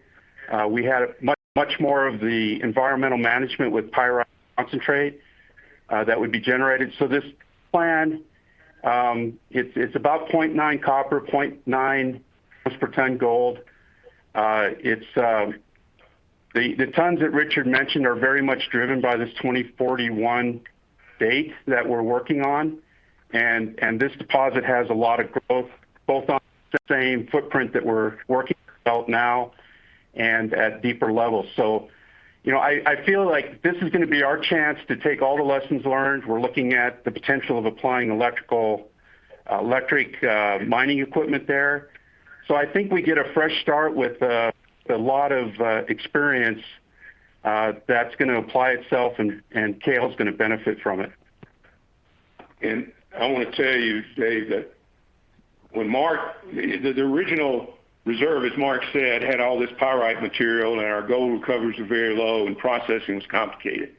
We had much more of the environmental management with pyrite concentrate that would be generated. This plan, it's about 0.9 copper, 0.9 ounce per ton gold. The tons that Richard mentioned are very much driven by this 2041 date that we're working on, and this deposit has a lot of growth, both on the same footprint that we're working about now and at deeper levels. I feel like this is going to be our chance to take all the lessons learned. We're looking at the potential of applying electric mining equipment there. I think we get a fresh start with a lot of experience that's going to apply itself, and KL's going to benefit from it. I want to tell you, David, that the original reserve, as Mark said, had all this pyrite material, and our gold recoveries were very low and processing was complicated.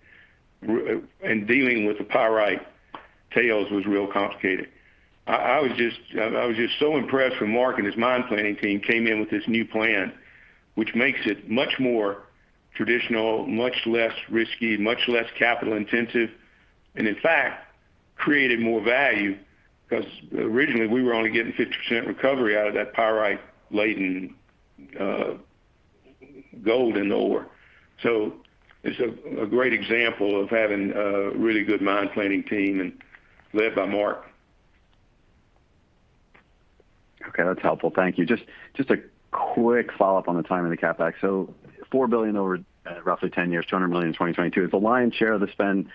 Dealing with the pyrite tails was real complicated. I was just so impressed when Mark and his mine planning team came in with this new plan, which makes it much more traditional, much less risky, much less capital intensive, and in fact, created more value because originally we were only getting 50% recovery out of that pyrite-laden gold and ore. It's a great example of having a really good mine planning team and led by Mark. Okay. That's helpful. Thank you. Just a quick follow-up on the timing of the CapEx. $4 billion over roughly 10 years, $200 million in 2022. Is the lion's share of the spend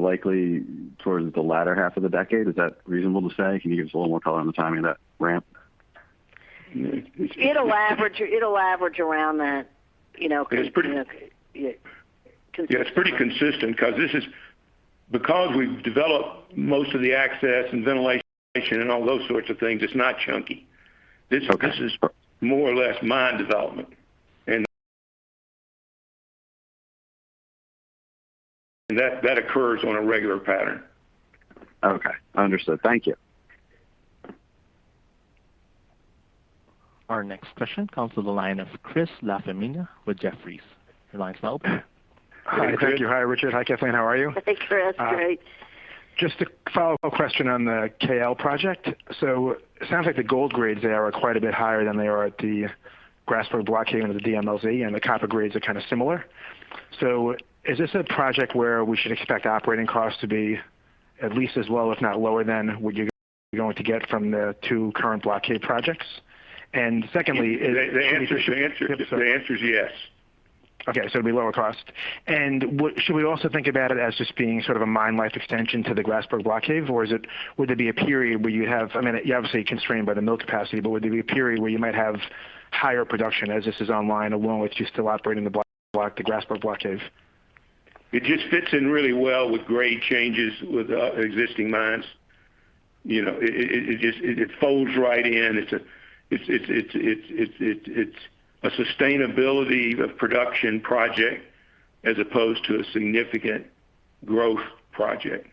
likely towards the latter half of the decade? Is that reasonable to say? Can you give us a little more color on the timing of that ramp? It'll average around that, because. Yeah, it's pretty consistent because we've developed most of the access and ventilation and all those sorts of things, it's not chunky. Okay. This is more or less mine development, and that occurs on a regular pattern. Okay. Understood. Thank you. Our next question comes to the line of Chris LaFemina with Jefferies. Your line's now open. Hi. Thank you. Hi, Richard. Hi, Kathleen. How are you? Hi, Chris. Great. Just a follow-up question on the KL project. It sounds like the gold grades there are quite a bit higher than they are at the Grasberg Block Cave under the DMLZ, and the copper grades are kind of similar. Is this a project where we should expect operating costs to be at least as low, if not lower than what you're going to get from the two current Block Cave projects? The answer is yes. It'll be lower cost. Should we also think about it as just being sort of a mine life extension to the Grasberg Block Cave, or would there be a period where you'd have, you're obviously constrained by the mill capacity, but would there be a period where you might have higher production as this is online along with you still operating the Grasberg Block Cave? It just fits in really well with grade changes with our existing mines. It folds right in. It's a sustainability of production project as opposed to a significant growth project.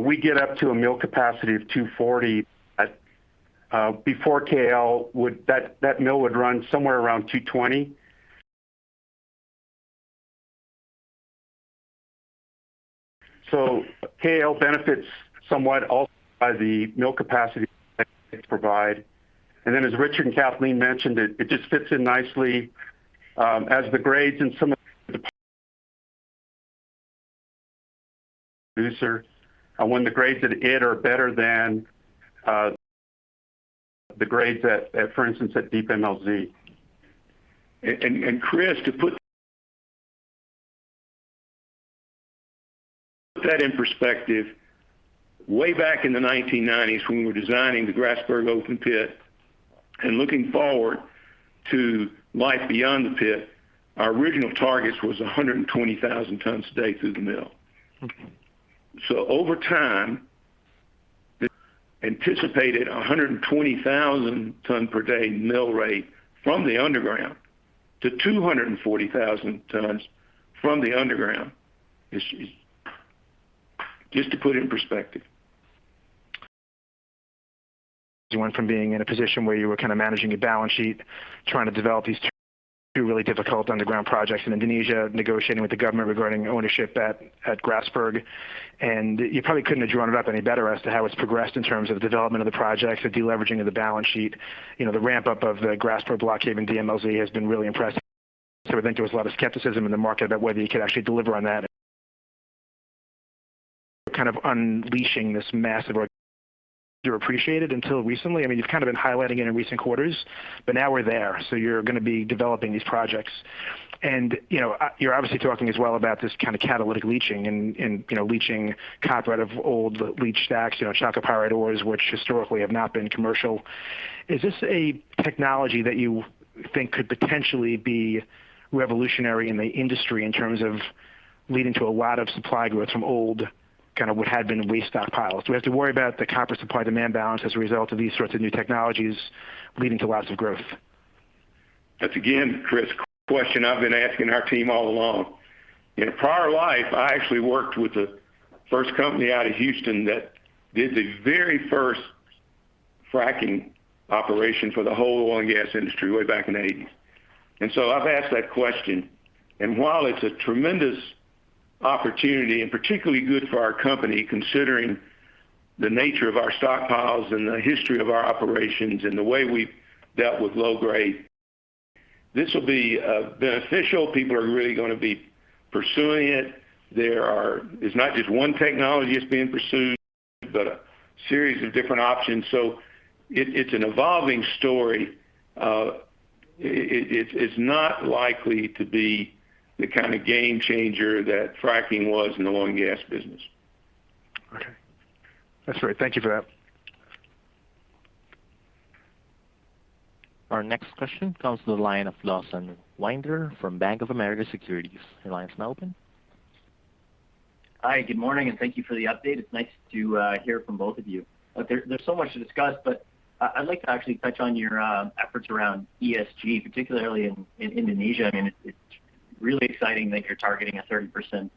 We get up to a mill capacity of 240. Before KL, that mill would run somewhere around 220. KL benefits somewhat also by the mill capacity provide. Then as Richard and Kathleen mentioned, it just fits in nicely, as the grades in some of the when the grades at it are better than the grades at, for instance, at DMLZ. Chris, to put that in perspective, way back in the 1990s when we were designing the Grasberg open pit and looking forward to life beyond the pit, our original targets was 120,000 tons a day through the mill. Okay. Over time, the anticipated 120,000 ton per day mill rate from the underground to 240,000 tons from the underground is, just to put it in perspective. You went from being in a position where you were kind of managing a balance sheet, trying to develop these two really difficult underground projects in Indonesia, negotiating with the government regarding ownership at Grasberg, and you probably couldn't have drawn it up any better as to how it's progressed in terms of the development of the projects, the de-leveraging of the balance sheet. The ramp-up of the Grasberg Block Cave and DMLZ has been really impressive. I think there was a lot of skepticism in the market about whether you could actually deliver on that kind of unleashing this massive appreciated until recently. You've kind of been highlighting it in recent quarters, but now we're there. You're going to be developing these projects. You're obviously talking as well about this kind of catalytic leaching and leaching copper out of old leach stacks, chalcopyrite ores, which historically have not been commercial. Is this a technology that you think could potentially be revolutionary in the industry in terms of leading to a lot of supply growth from old, kind of what had been waste stockpiles? Do we have to worry about the copper supply-demand balance as a result of these sorts of new technologies leading to lots of growth? That's again, Chris, a question I've been asking our team all along. In a prior life, I actually worked with the first company out of Houston that did the very first fracking operation for the whole oil and gas industry way back in the '80s. I've asked that question, and while it's a tremendous opportunity and particularly good for our company, considering the nature of our stockpiles and the history of our operations and the way we've dealt with low grade, this will be beneficial. People are really going to be pursuing it. It's not just one technology that's being pursued, but a series of different options. It's an evolving story. It's not likely to be the kind of game changer that fracking was in the oil and gas business. Okay. That's fair. Thank you for that. Our next question comes to the line of Lawson Winder from Bank of America Securities. Your line's now open. Hi, good morning, and thank you for the update. It's nice to hear from both of you. There's so much to discuss, but I'd like to actually touch on your efforts around ESG, particularly in Indonesia. It's really exciting that you're targeting a 30%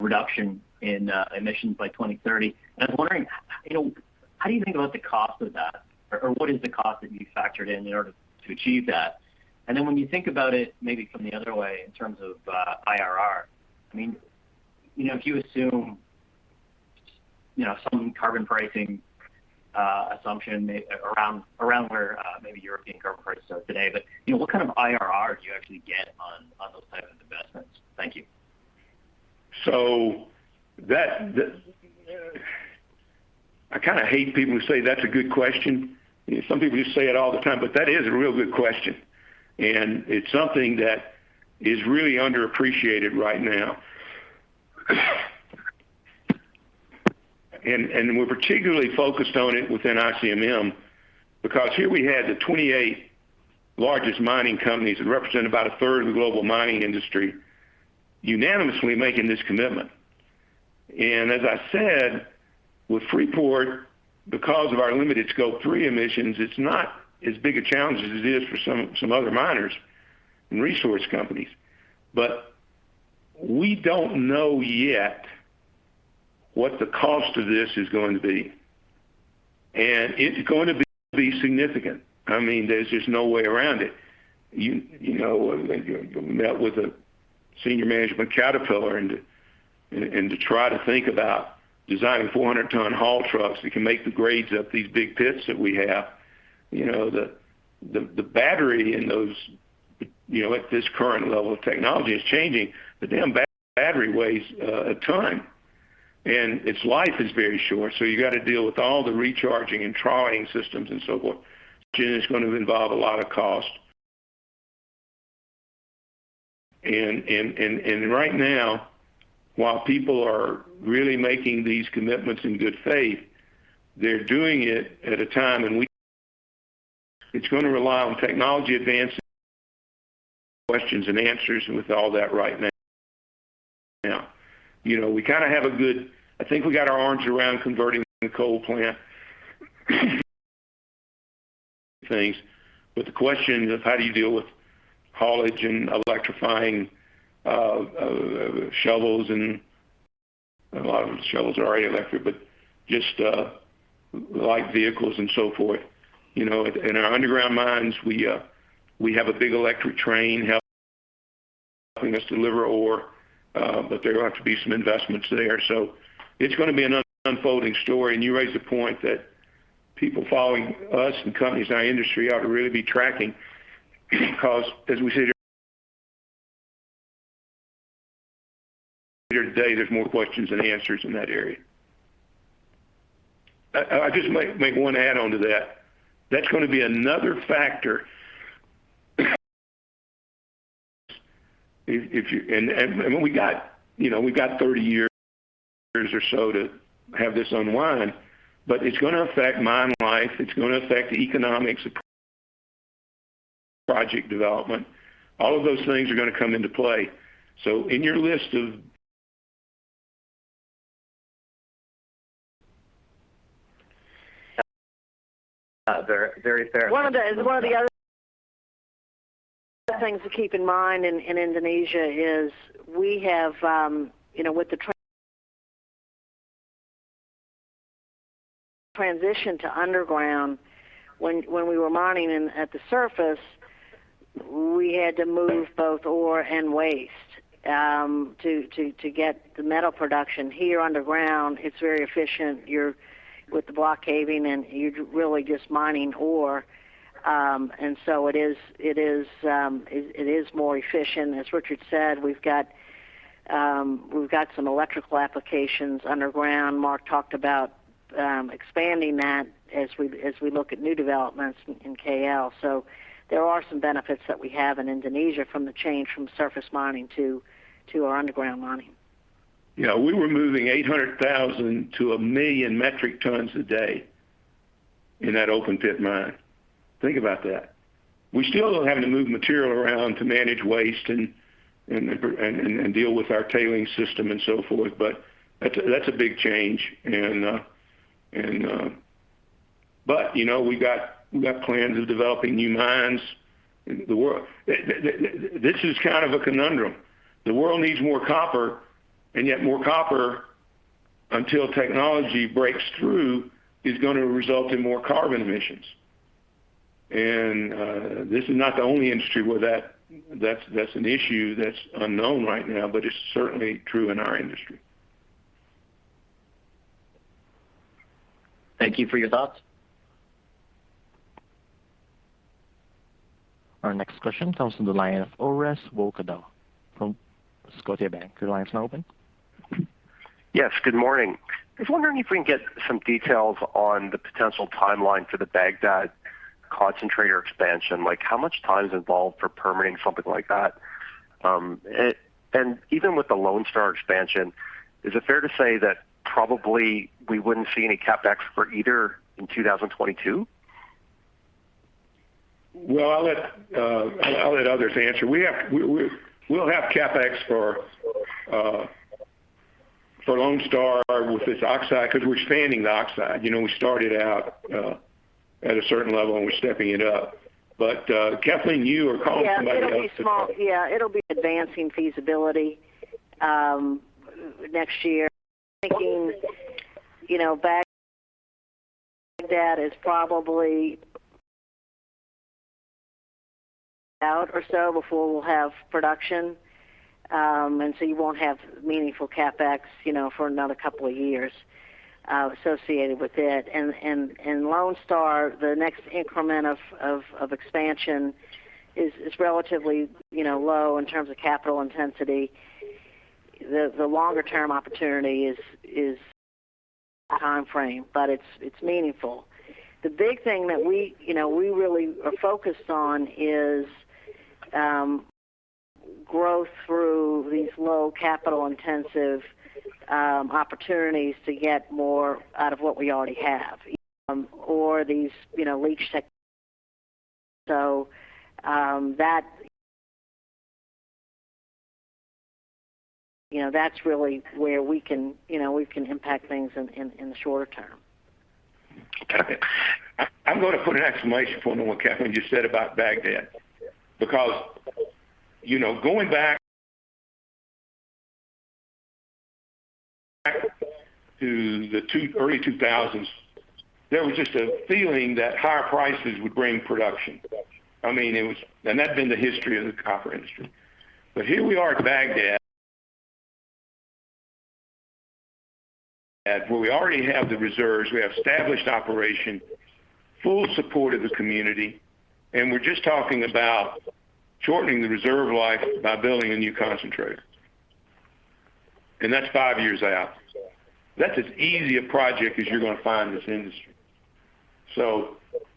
reduction in emissions by 2030. I'm wondering, how do you think about the cost of that? Or what is the cost that you factored in in order to achieve that? When you think about it, maybe from the other way, in terms of IRR, if you assume some carbon pricing assumption around where maybe European carbon prices are today. What kind of IRR do you actually get on those type of investments? Thank you. That, I kind of hate people who say that's a good question. Some people just say it all the time, that is a real good question, and it's something that is really underappreciated right now. We're particularly focused on it within ICMM because here we had the 28 largest mining companies that represent about a third of the global mining industry unanimously making this commitment. As I said, with Freeport, because of our limited Scope 3 emissions, it's not as big a challenge as it is for some other miners and resource companies. We don't know yet what the cost of this is going to be. It's going to be significant. There's just no way around it. We met with senior management at Caterpillar to try to think about designing 400-ton haul trucks that can make the grades up these big pits that we have. The battery in those, at this current level of technology is changing, but damn battery weighs a ton and its life is very short. You got to deal with all the recharging and trolley systems and so forth. Again, it's going to involve a lot of cost. Right now, while people are really making these commitments in good faith, they're doing it at a time and it's going to rely on technology advancing questions and answers with all that right now. We kind of have I think we got our arms around converting the coal plant things. The question of how do you deal with haulage and electrifying shovels and a lot of the shovels are already electric, just light vehicles and so forth. In our underground mines, we have a big electric train helping us deliver ore. There are going to have to be some investments there. It's going to be an unfolding story. You raise a point that people following us and companies in our industry ought to really be tracking, because as we said earlier today, there's more questions than answers in that area. I just might make one add-on to that. That's going to be another factor. We've got 30 years or so to have this unwind, but it's going to affect mine life, it's going to affect the economics of project development. All of those things are going to come into play. So in your list of- Very fair. One of the other things to keep in mind in Indonesia is we have with the transition to underground, when we were mining at the surface, we had to move both ore and waste, to get the metal production. Here underground, it's very efficient. With the block caving, you're really just mining ore. It is more efficient. As Richard said, we've got some electrical applications underground. Mark talked about expanding that as we look at new developments in KL. There are some benefits that we have in Indonesia from the change from surface mining to our underground mining. We were moving 800,000 to 1 million metric tons a day in that open pit mine. Think about that. We still are having to move material around to manage waste and deal with our tailing system and so forth, but that's a big change. We got plans of developing new mines. This is kind of a conundrum. The world needs more copper, and yet more copper, until technology breaks through, is going to result in more carbon emissions. This is not the only industry where that's an issue that's unknown right now, but it's certainly true in our industry. Thank you for your thoughts. Our next question comes from the line of Orest Wowkodaw from Scotiabank. Your line is now open. Yes, good morning. I was wondering if we can get some details on the potential timeline for the Bagdad concentrator expansion. How much time is involved for permitting something like that? Even with the Lone Star expansion, is it fair to say that probably we wouldn't see any CapEx for either in 2022? Well, I'll let others answer. We'll have CapEx for Lone Star with this oxide, because we're expanding the oxide. We started out at a certain level. We're stepping it up. Kathleen, you or Colin, somebody else could. Yeah. It'll be small. It'll be advancing feasibility next year. Thinking, Bagdad is probably out or so before we'll have production. You won't have meaningful CapEx for another couple of years associated with it. Lone Star, the next increment of expansion is relatively low in terms of capital intensity. The longer-term opportunity is timeframe, but it's meaningful. The big thing that we really are focused on is growth through these low capital intensive opportunities to get more out of what we already have, or these leach. That's really where we can impact things in the shorter term. I'm going to put an exclamation point on what Kathleen just said about Bagdad. Because, going back to the early 2000s, there was just a feeling that higher prices would bring production. That's been the history of the copper industry. Here we are at Bagdad, where we already have the reserves, we have established operation, full support of the community, and we're just talking about shortening the reserve life by building a new concentrator. That's five years out. That's as easy a project as you're going to find in this industry.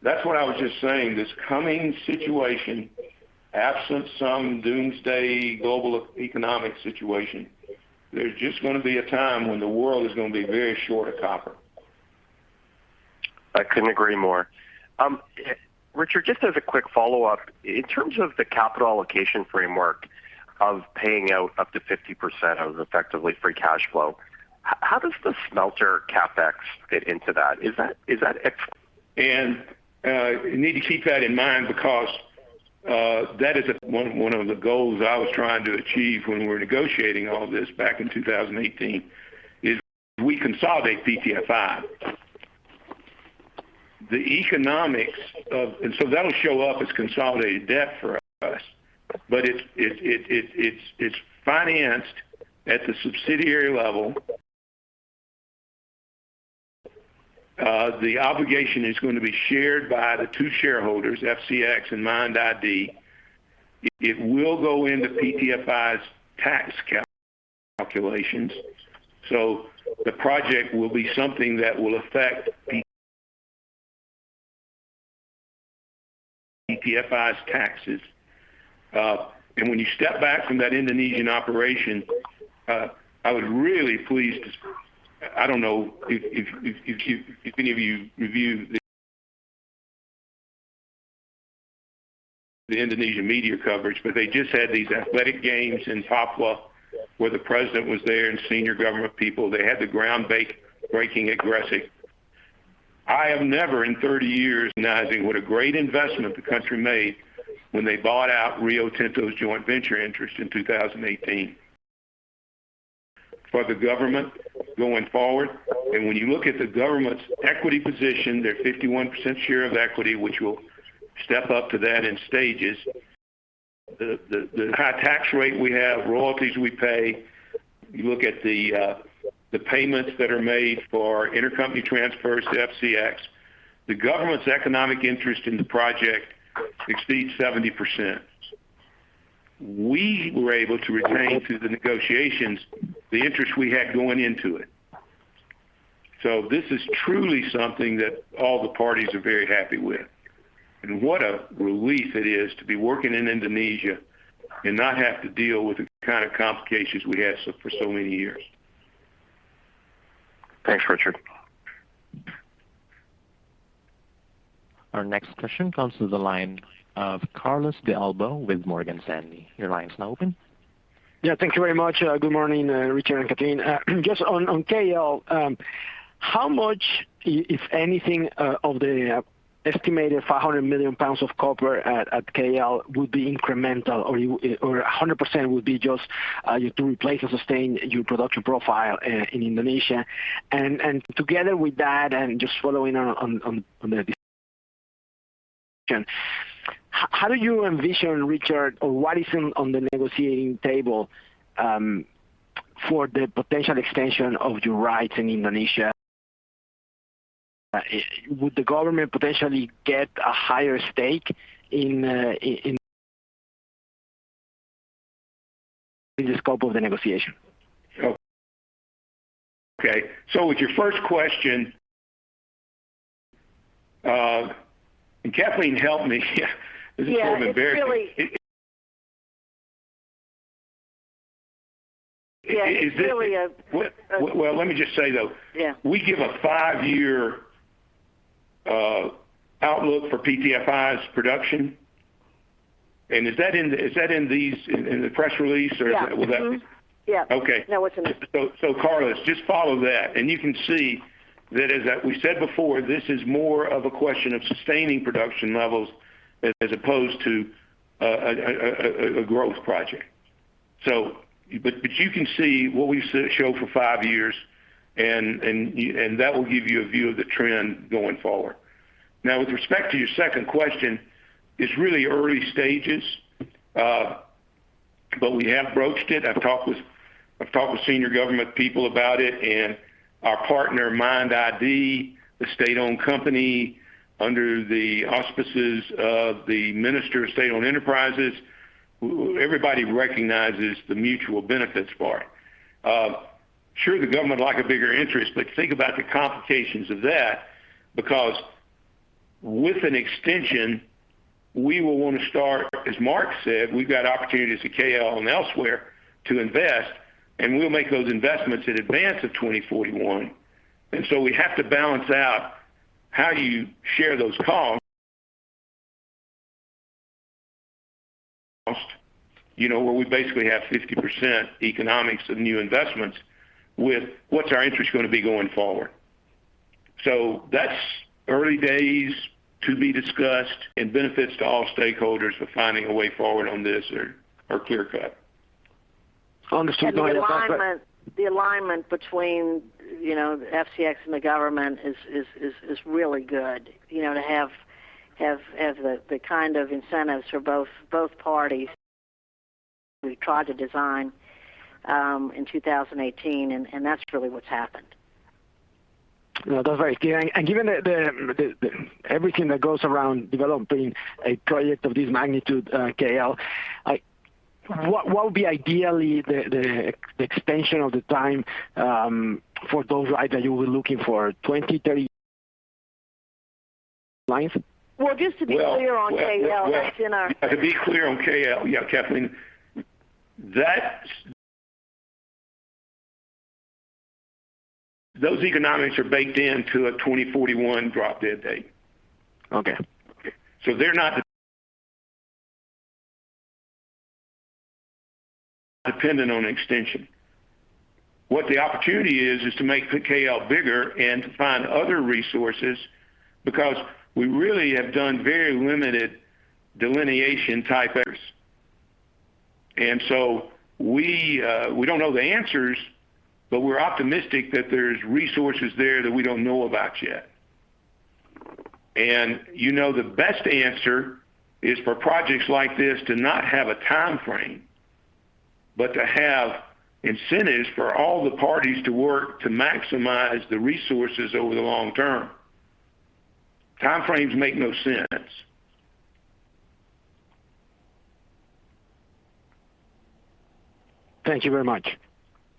That's what I was just saying, this coming situation, absent some doomsday global economic situation, there's just going to be a time when the world is going to be very short of copper. I couldn't agree more. Richard, just as a quick follow-up, in terms of the capital allocation framework of paying out up to 50% of effectively free cash flow, how does the smelter CapEx fit into that? You need to keep that in mind because that is one of the goals I was trying to achieve when we were negotiating all this back in 2018, is we consolidate PTFI. That'll show up as consolidated debt for us. It's financed at the subsidiary level. The obligation is going to be shared by the two shareholders, FCX and MIND ID. It will go into PTFI's tax calculations. The project will be something that will affect PTFI's taxes. When you step back from that Indonesian operation, I was really pleased. I don't know if any of you reviewed the Indonesian media coverage, but they just had these athletic games in Papua, where the president was there and senior government people. They had the groundbreaking at Gresik. I have never in 30 years, knowing what a great investment the country made when they bought out Rio Tinto's joint venture interest in 2018. For the government going forward, when you look at the government's equity position, their 51% share of equity, which we'll step up to that in stages. The high tax rate we have, royalties we pay. You look at the payments that are made for intercompany transfers to FCX. The government's economic interest in the project exceeds 70%. We were able to retain through the negotiations, the interest we had going into it. This is truly something that all the parties are very happy with. What a relief it is to be working in Indonesia and not have to deal with the kind of complications we had for so many years. Thanks, Richard. Our next question comes to the line of Carlos De Alba with Morgan Stanley. Your line is now open. Yeah. Thank you very much. Good morning, Richard and Kathleen. Just on KL, how much, if anything, of the estimated 500 million pounds of copper at KL would be incremental or 100% would be just to replace or sustain your production profile in Indonesia? Together with that, and just following on the discussion, how do you envision, Richard, or what is on the negotiating table, for the potential extension of your rights in Indonesia? Would the government potentially get a higher stake in the scope of the negotiation? Okay. With your first question, and Kathleen, help me this is probably embarrassing. Yeah. Is this- It's really Well, let me just say, though. Yeah. We give a five-year outlook for PTFI's production. Is that in the press release or was that- Yeah. Mm-hmm. Yeah. Okay. No, it's in there. Carlos, just follow that, and you can see that as we said before, this is more of a question of sustaining production levels as opposed to a growth project. You can see what we show for five years, and that will give you a view of the trend going forward. With respect to your second question, it's really early stages, but we have broached it. I've talked with senior government people about it and our partner, MIND ID, the state-owned company under the auspices of the Minister of State-Owned Enterprises. Everybody recognizes the mutual benefits for it. Sure, the government would like a bigger interest, but think about the complications of that, because with an extension, we will want to start, as Mark said, we've got opportunities at KL and elsewhere to invest, and we'll make those investments in advance of 2041. We have to balance out how you share those costs, where we basically have 50% economics of new investments with what's our interest going to be going forward. That's early days to be discussed and benefits to all stakeholders for finding a way forward on this are clear cut. Understood. The alignment between FCX and the government is really good, to have the kind of incentives for both parties we tried to design in 2018, and that's really what's happened. No, that's very clear. Given everything that goes around developing a project of this magnitude, K.L., what would be ideally the extension of the time for those rights that you were looking for, 20, 30? Well, just to be clear on KL. To be clear on KL, yeah, Kathleen, those economics are baked into a 2041 drop-dead date. Okay. They're not dependent on extension. What the opportunity is to make KL bigger and to find other resources, because we really have done very limited delineation type. We don't know the answers, but we're optimistic that there's resources there that we don't know about yet. The best answer is for projects like this to not have a time frame, but to have incentives for all the parties to work to maximize the resources over the long term. Time frames make no sense. Thank you very much.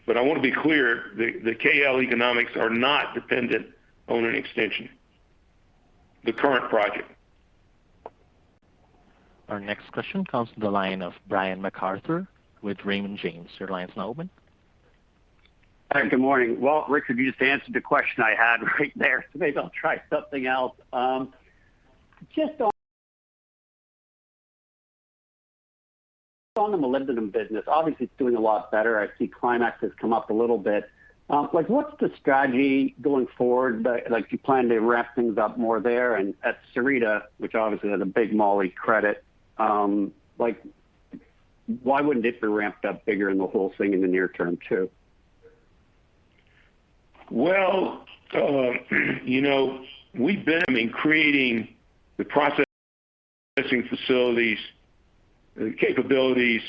I want to be clear, the KL economics are not dependent on an extension. The current project. Our next question comes to the line of Brian MacArthur with Raymond James. Your line's now open. Good morning. Well, Richard, you just answered the question I had right there. Maybe I'll try something else. Just on the molybdenum business, obviously, it's doing a lot better. I see Climax has come up a little bit. What's the strategy going forward? Do you plan to ramp things up more there? At Sierrita, which obviously has a big moly credit, why wouldn't it be ramped up bigger in the whole thing in the near term, too? Well, we've been creating the processing facilities and capabilities.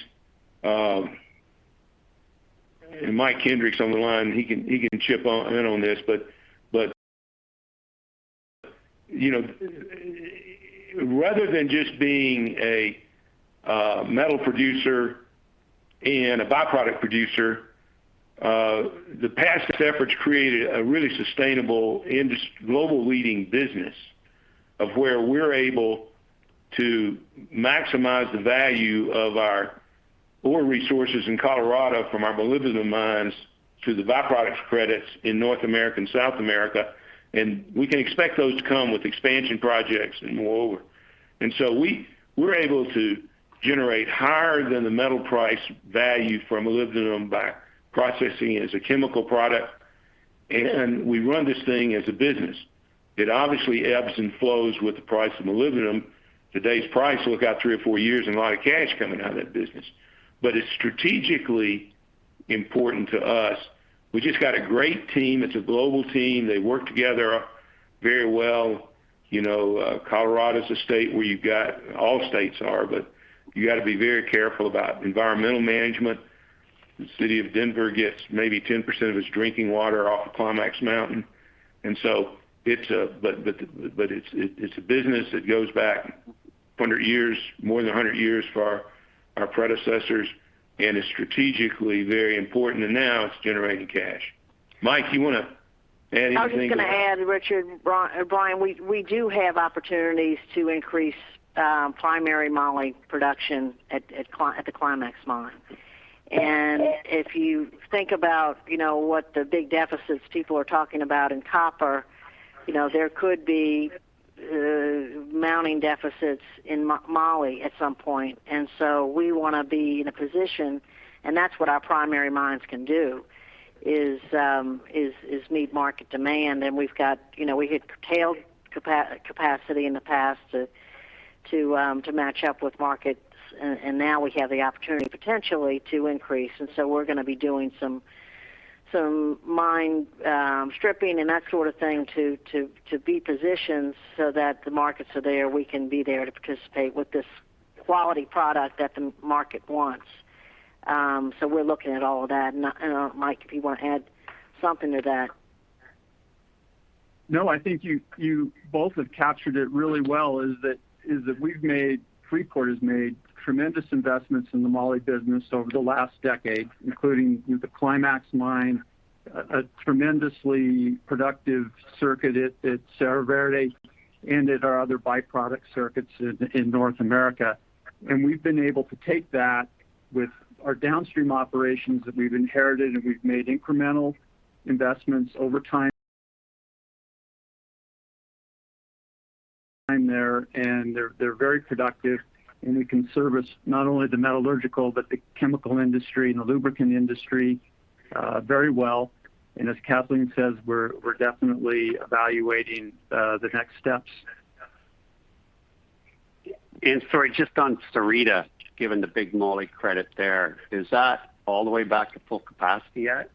Mike Kendrick on the line, he can chip in on this, but rather than just being a metal producer and a by-product producer, the past efforts created a really sustainable global leading business of where we're able to maximize the value of our ore resources in Colorado from our molybdenum mines through the by-products credits in North America and South America. We can expect those to come with expansion projects and moreover. We're able to generate higher than the metal price value from molybdenum by processing it as a chemical product, and we run this thing as a business. It obviously ebbs and flows with the price of molybdenum. Today's price, look out three or four years and a lot of cash coming out of that business. It's strategically important to us. We just got a great team. It's a global team. They work together very well. Colorado is a state where you've got, all states are, but you got to be very careful about environmental management. The city of Denver gets maybe 10% of its drinking water off of Climax Mountain. It's a business that goes back 100 years, more than 100 years for our predecessors, and is strategically very important, and now it's generating cash. Mike, you want to add anything to that? I was just going to add, Richard, Brian, we do have opportunities to increase primary moly production at the Climax mine. If you think about what the big deficits people are talking about in copper, there could be mounting deficits in moly at some point. We want to be in a position, and that's what our primary mines can do, is meet market demand. We had curtailed capacity in the past to match up with markets, now we have the opportunity potentially to increase. We're going to be doing some mine stripping and that sort of thing to be positioned so that the markets are there, we can be there to participate with this quality product that the market wants. We're looking at all of that. I don't know, Mike, if you want to add something to that. No, I think you both have captured it really well is that Freeport has made tremendous investments in the moly business over the last decade, including the Climax mine, a tremendously productive circuit at Cerro Verde and at our other by-product circuits in North America. We've been able to take that with our downstream operations that we've inherited, and we've made incremental investments over time there, and they're very productive, and we can service not only the metallurgical, but the chemical industry and the lubricant industry very well. As Kathleen says, we're definitely evaluating the next steps. Sorry, just on Sierrita, given the big moly credit there, is that all the way back to full capacity yet?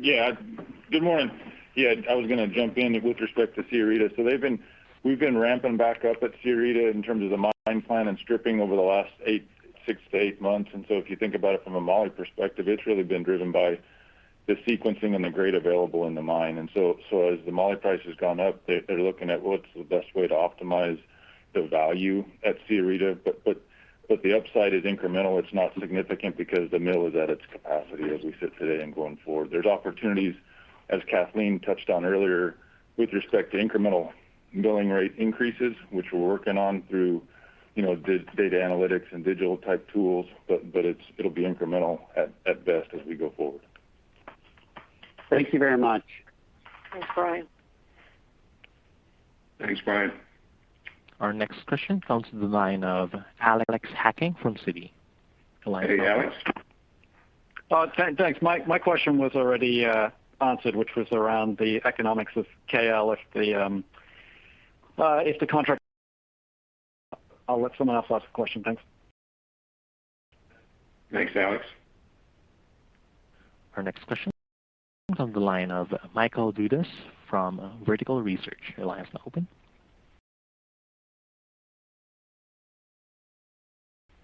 Josh. Good morning. I was going to jump in with respect to Sierrita. We've been ramping back up at Sierrita in terms of the mine plan and stripping over the last six to eight months. If you think about it from a moly perspective, it's really been driven by the sequencing and the grade available in the mine. As the moly price has gone up, they're looking at what's the best way to optimize the value at Sierrita. The upside is incremental. It's not significant because the mill is at its capacity as we sit today and going forward. There's opportunities, as Kathleen touched on earlier, with respect to incremental milling rate increases, which we're working on through data analytics and digital type tools, but it'll be incremental at best as we go forward. Thank you very much. Thanks, Brian. Thanks, Brian. Our next question comes to the line of Alex Hacking from Citi. The line is now open. Hey, Alex. Thanks. My question was already answered, which was around the economics of KL. If the contract. I'll let someone else ask a question. Thanks. Thanks, Alex. Our next question comes on the line of Michael Dudas from Vertical Research.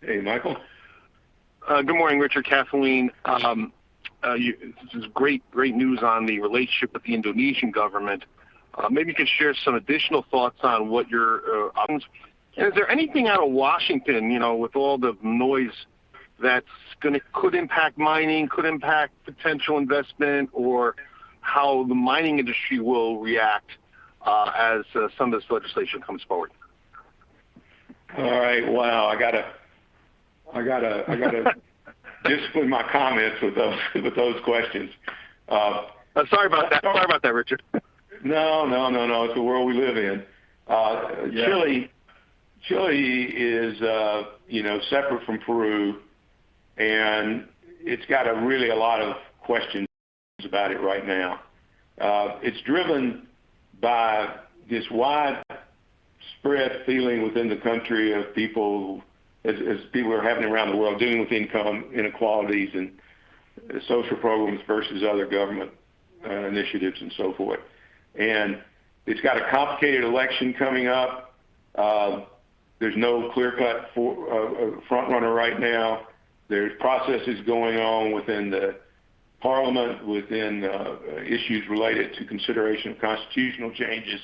Hey, Michael. Good morning, Richard, Kathleen. This is great news on the relationship with the Indonesian government. Maybe you could share some additional thoughts on what your options. Is there anything out of Washington, with all the noise, that could impact mining, could impact potential investment, or how the mining industry will react as some of this legislation comes forward? All right. Wow, I got to discipline my comments with those questions. Sorry about that, Richard. No, it's the world we live in. Yeah. Chile is separate from Peru, it's got really a lot of questions about it right now. It's driven by this widespread feeling within the country of people, as people are having around the world, dealing with income inequalities and social programs versus other government initiatives and so forth. It's got a complicated election coming up. There's no clear-cut front runner right now. There's processes going on within the parliament, within issues related to consideration of constitutional changes,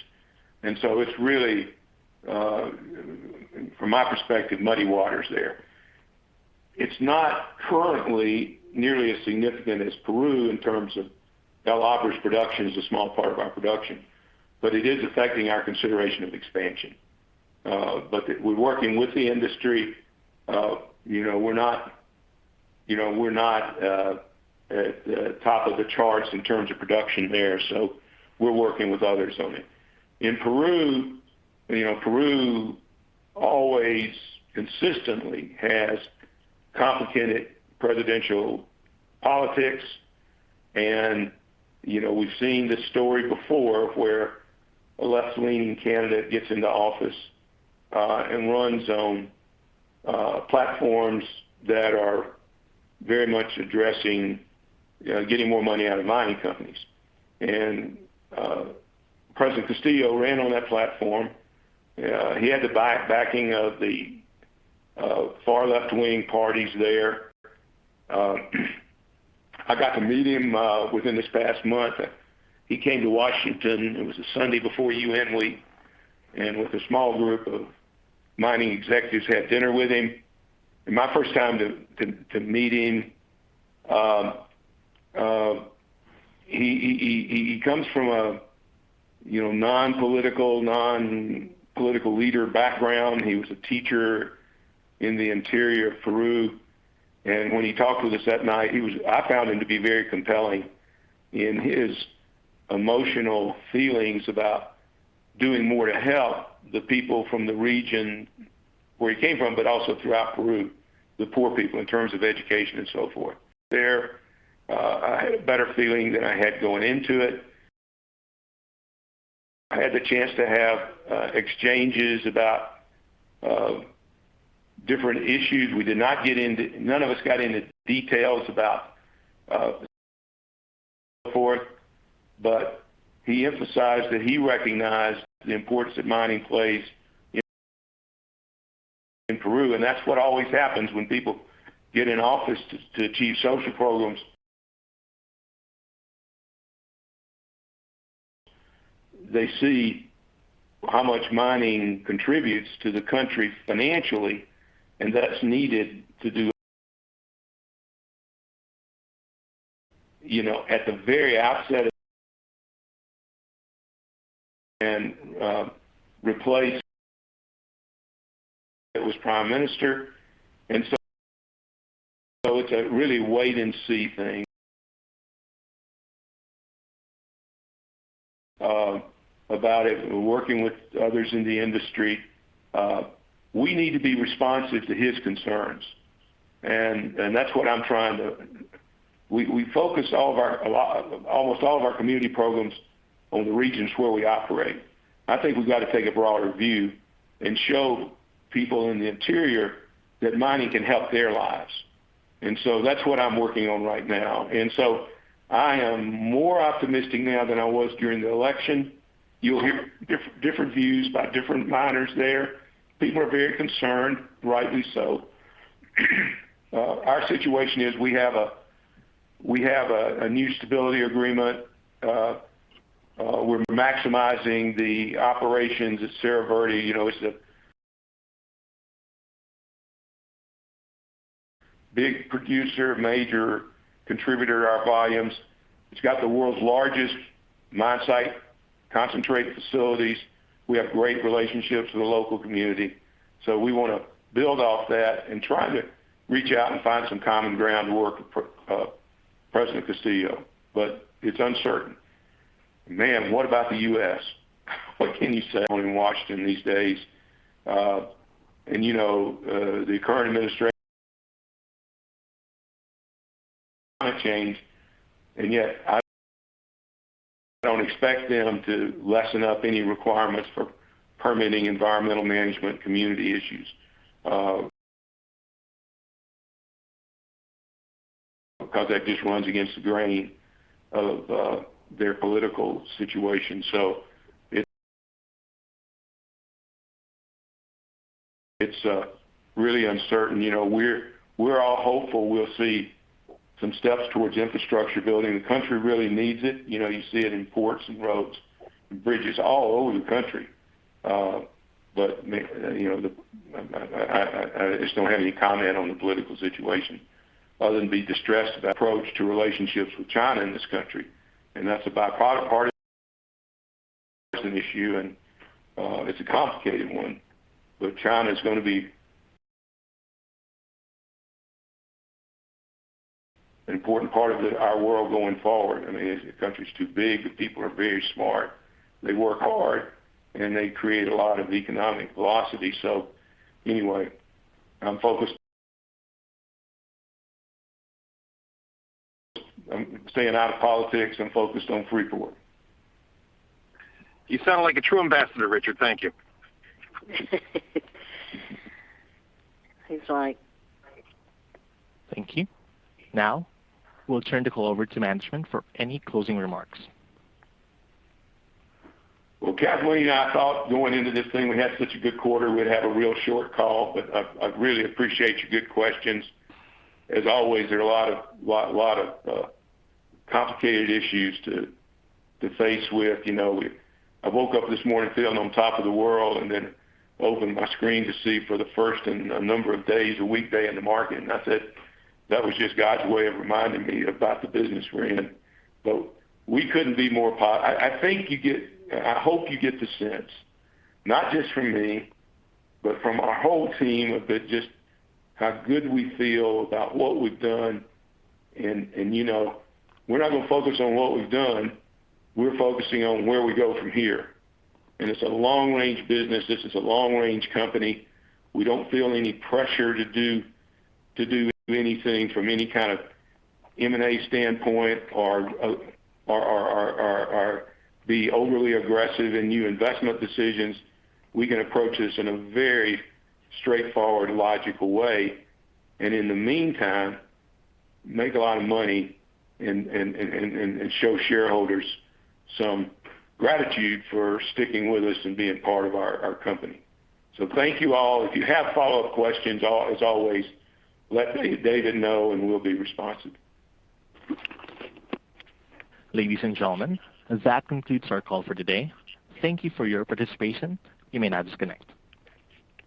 it's really, from my perspective, muddy waters there. It's not currently nearly as significant as Peru in terms of El Abra's production is a small part of our production. It is affecting our consideration of expansion. We're working with the industry. We're not at the top of the charts in terms of production there, we're working with others on it. In Peru always consistently has complicated presidential politics, and we've seen this story before, where a left-leaning candidate gets into office, and runs on platforms that are very much addressing getting more money out of mining companies. President Castillo ran on that platform. He had the backing of the far left-wing parties there. I got to meet him within this past month. He came to Washington. It was a Sunday before UN week, and with a small group of mining executives, had dinner with him, and my first time to meet him. He comes from a non-political leader background. He was a teacher in the interior of Peru, and when he talked with us that night, I found him to be very compelling in his emotional feelings about doing more to help the people from the region where he came from, but also throughout Peru, the poor people, in terms of education and so forth. There, I had a better feeling than I had going into it. I had the chance to have exchanges about different issues. None of us got into details about so forth, but he emphasized that he recognized the importance that mining plays in Peru, and that's what always happens when people get in office to achieve social programs. They see how much mining contributes to the country financially, and that's needed to do. At the very outset of and replace that was prime minister, it's a really wait-and-see thing about it, working with others in the industry. We need to be responsive to his concerns. We focus almost all of our community programs on the regions where we operate. I think we've got to take a broader view and show people in the interior that mining can help their lives. That's what I'm working on right now. I am more optimistic now than I was during the election. You'll hear different views by different miners there. People are very concerned, rightly so. Our situation is we have a new stability agreement. We're maximizing the operations at Cerro Verde. It's a big producer, major contributor to our volumes. It's got the world's largest mine site, concentrate facilities. We have great relationships with the local community. We want to build off that and try to reach out and find some common ground to work with President Castillo. It's uncertain. Man, what about the U.S.? What can you say in Washington these days? The current administration change, and yet I don't expect them to lessen up any requirements for permitting environmental management community issues. That just runs against the grain of their political situation. It's really uncertain. We're all hopeful we'll see some steps towards infrastructure building. The country really needs it. You see it in ports and roads and bridges all over the country. I just don't have any comment on the political situation other than be distressed about approach to relationships with China in this country, and that's a bipartisan issue, and it's a complicated one. China's going to be an important part of our world going forward. The country's too big, the people are very smart, they work hard, and they create a lot of economic velocity. Anyway, I'm staying out of politics and focused on Freeport. You sound like a true ambassador, Richard. Thank you. He's like. Thank you. Now, we'll turn the call over to management for any closing remarks. Well, Kathleen, I thought going into this thing, we had such a good quarter, we'd have a real short call, but I really appreciate your good questions. As always, there are a lot of complicated issues to face with. I woke up this morning feeling on top of the world, and then opened my screen to see for the first in a number of days, a weekday in the market, and I said, "That was just God's way of reminding me about the business we're in." We couldn't be more. I think you get, I hope you get the sense, not just from me, but from our whole team, of just how good we feel about what we've done, and we're not going to focus on what we've done, we're focusing on where we go from here. It's a long-range business. This is a long-range company. We don't feel any pressure to do anything from any kind of M&A standpoint or be overly aggressive in new investment decisions. We can approach this in a very straightforward, logical way. In the meantime, make a lot of money and show shareholders some gratitude for sticking with us and being part of our company. Thank you all. If you have follow-up questions, as always, let David know and we'll be responsive. Ladies and gentlemen, that concludes our call for today. Thank you for your participation. You may now disconnect.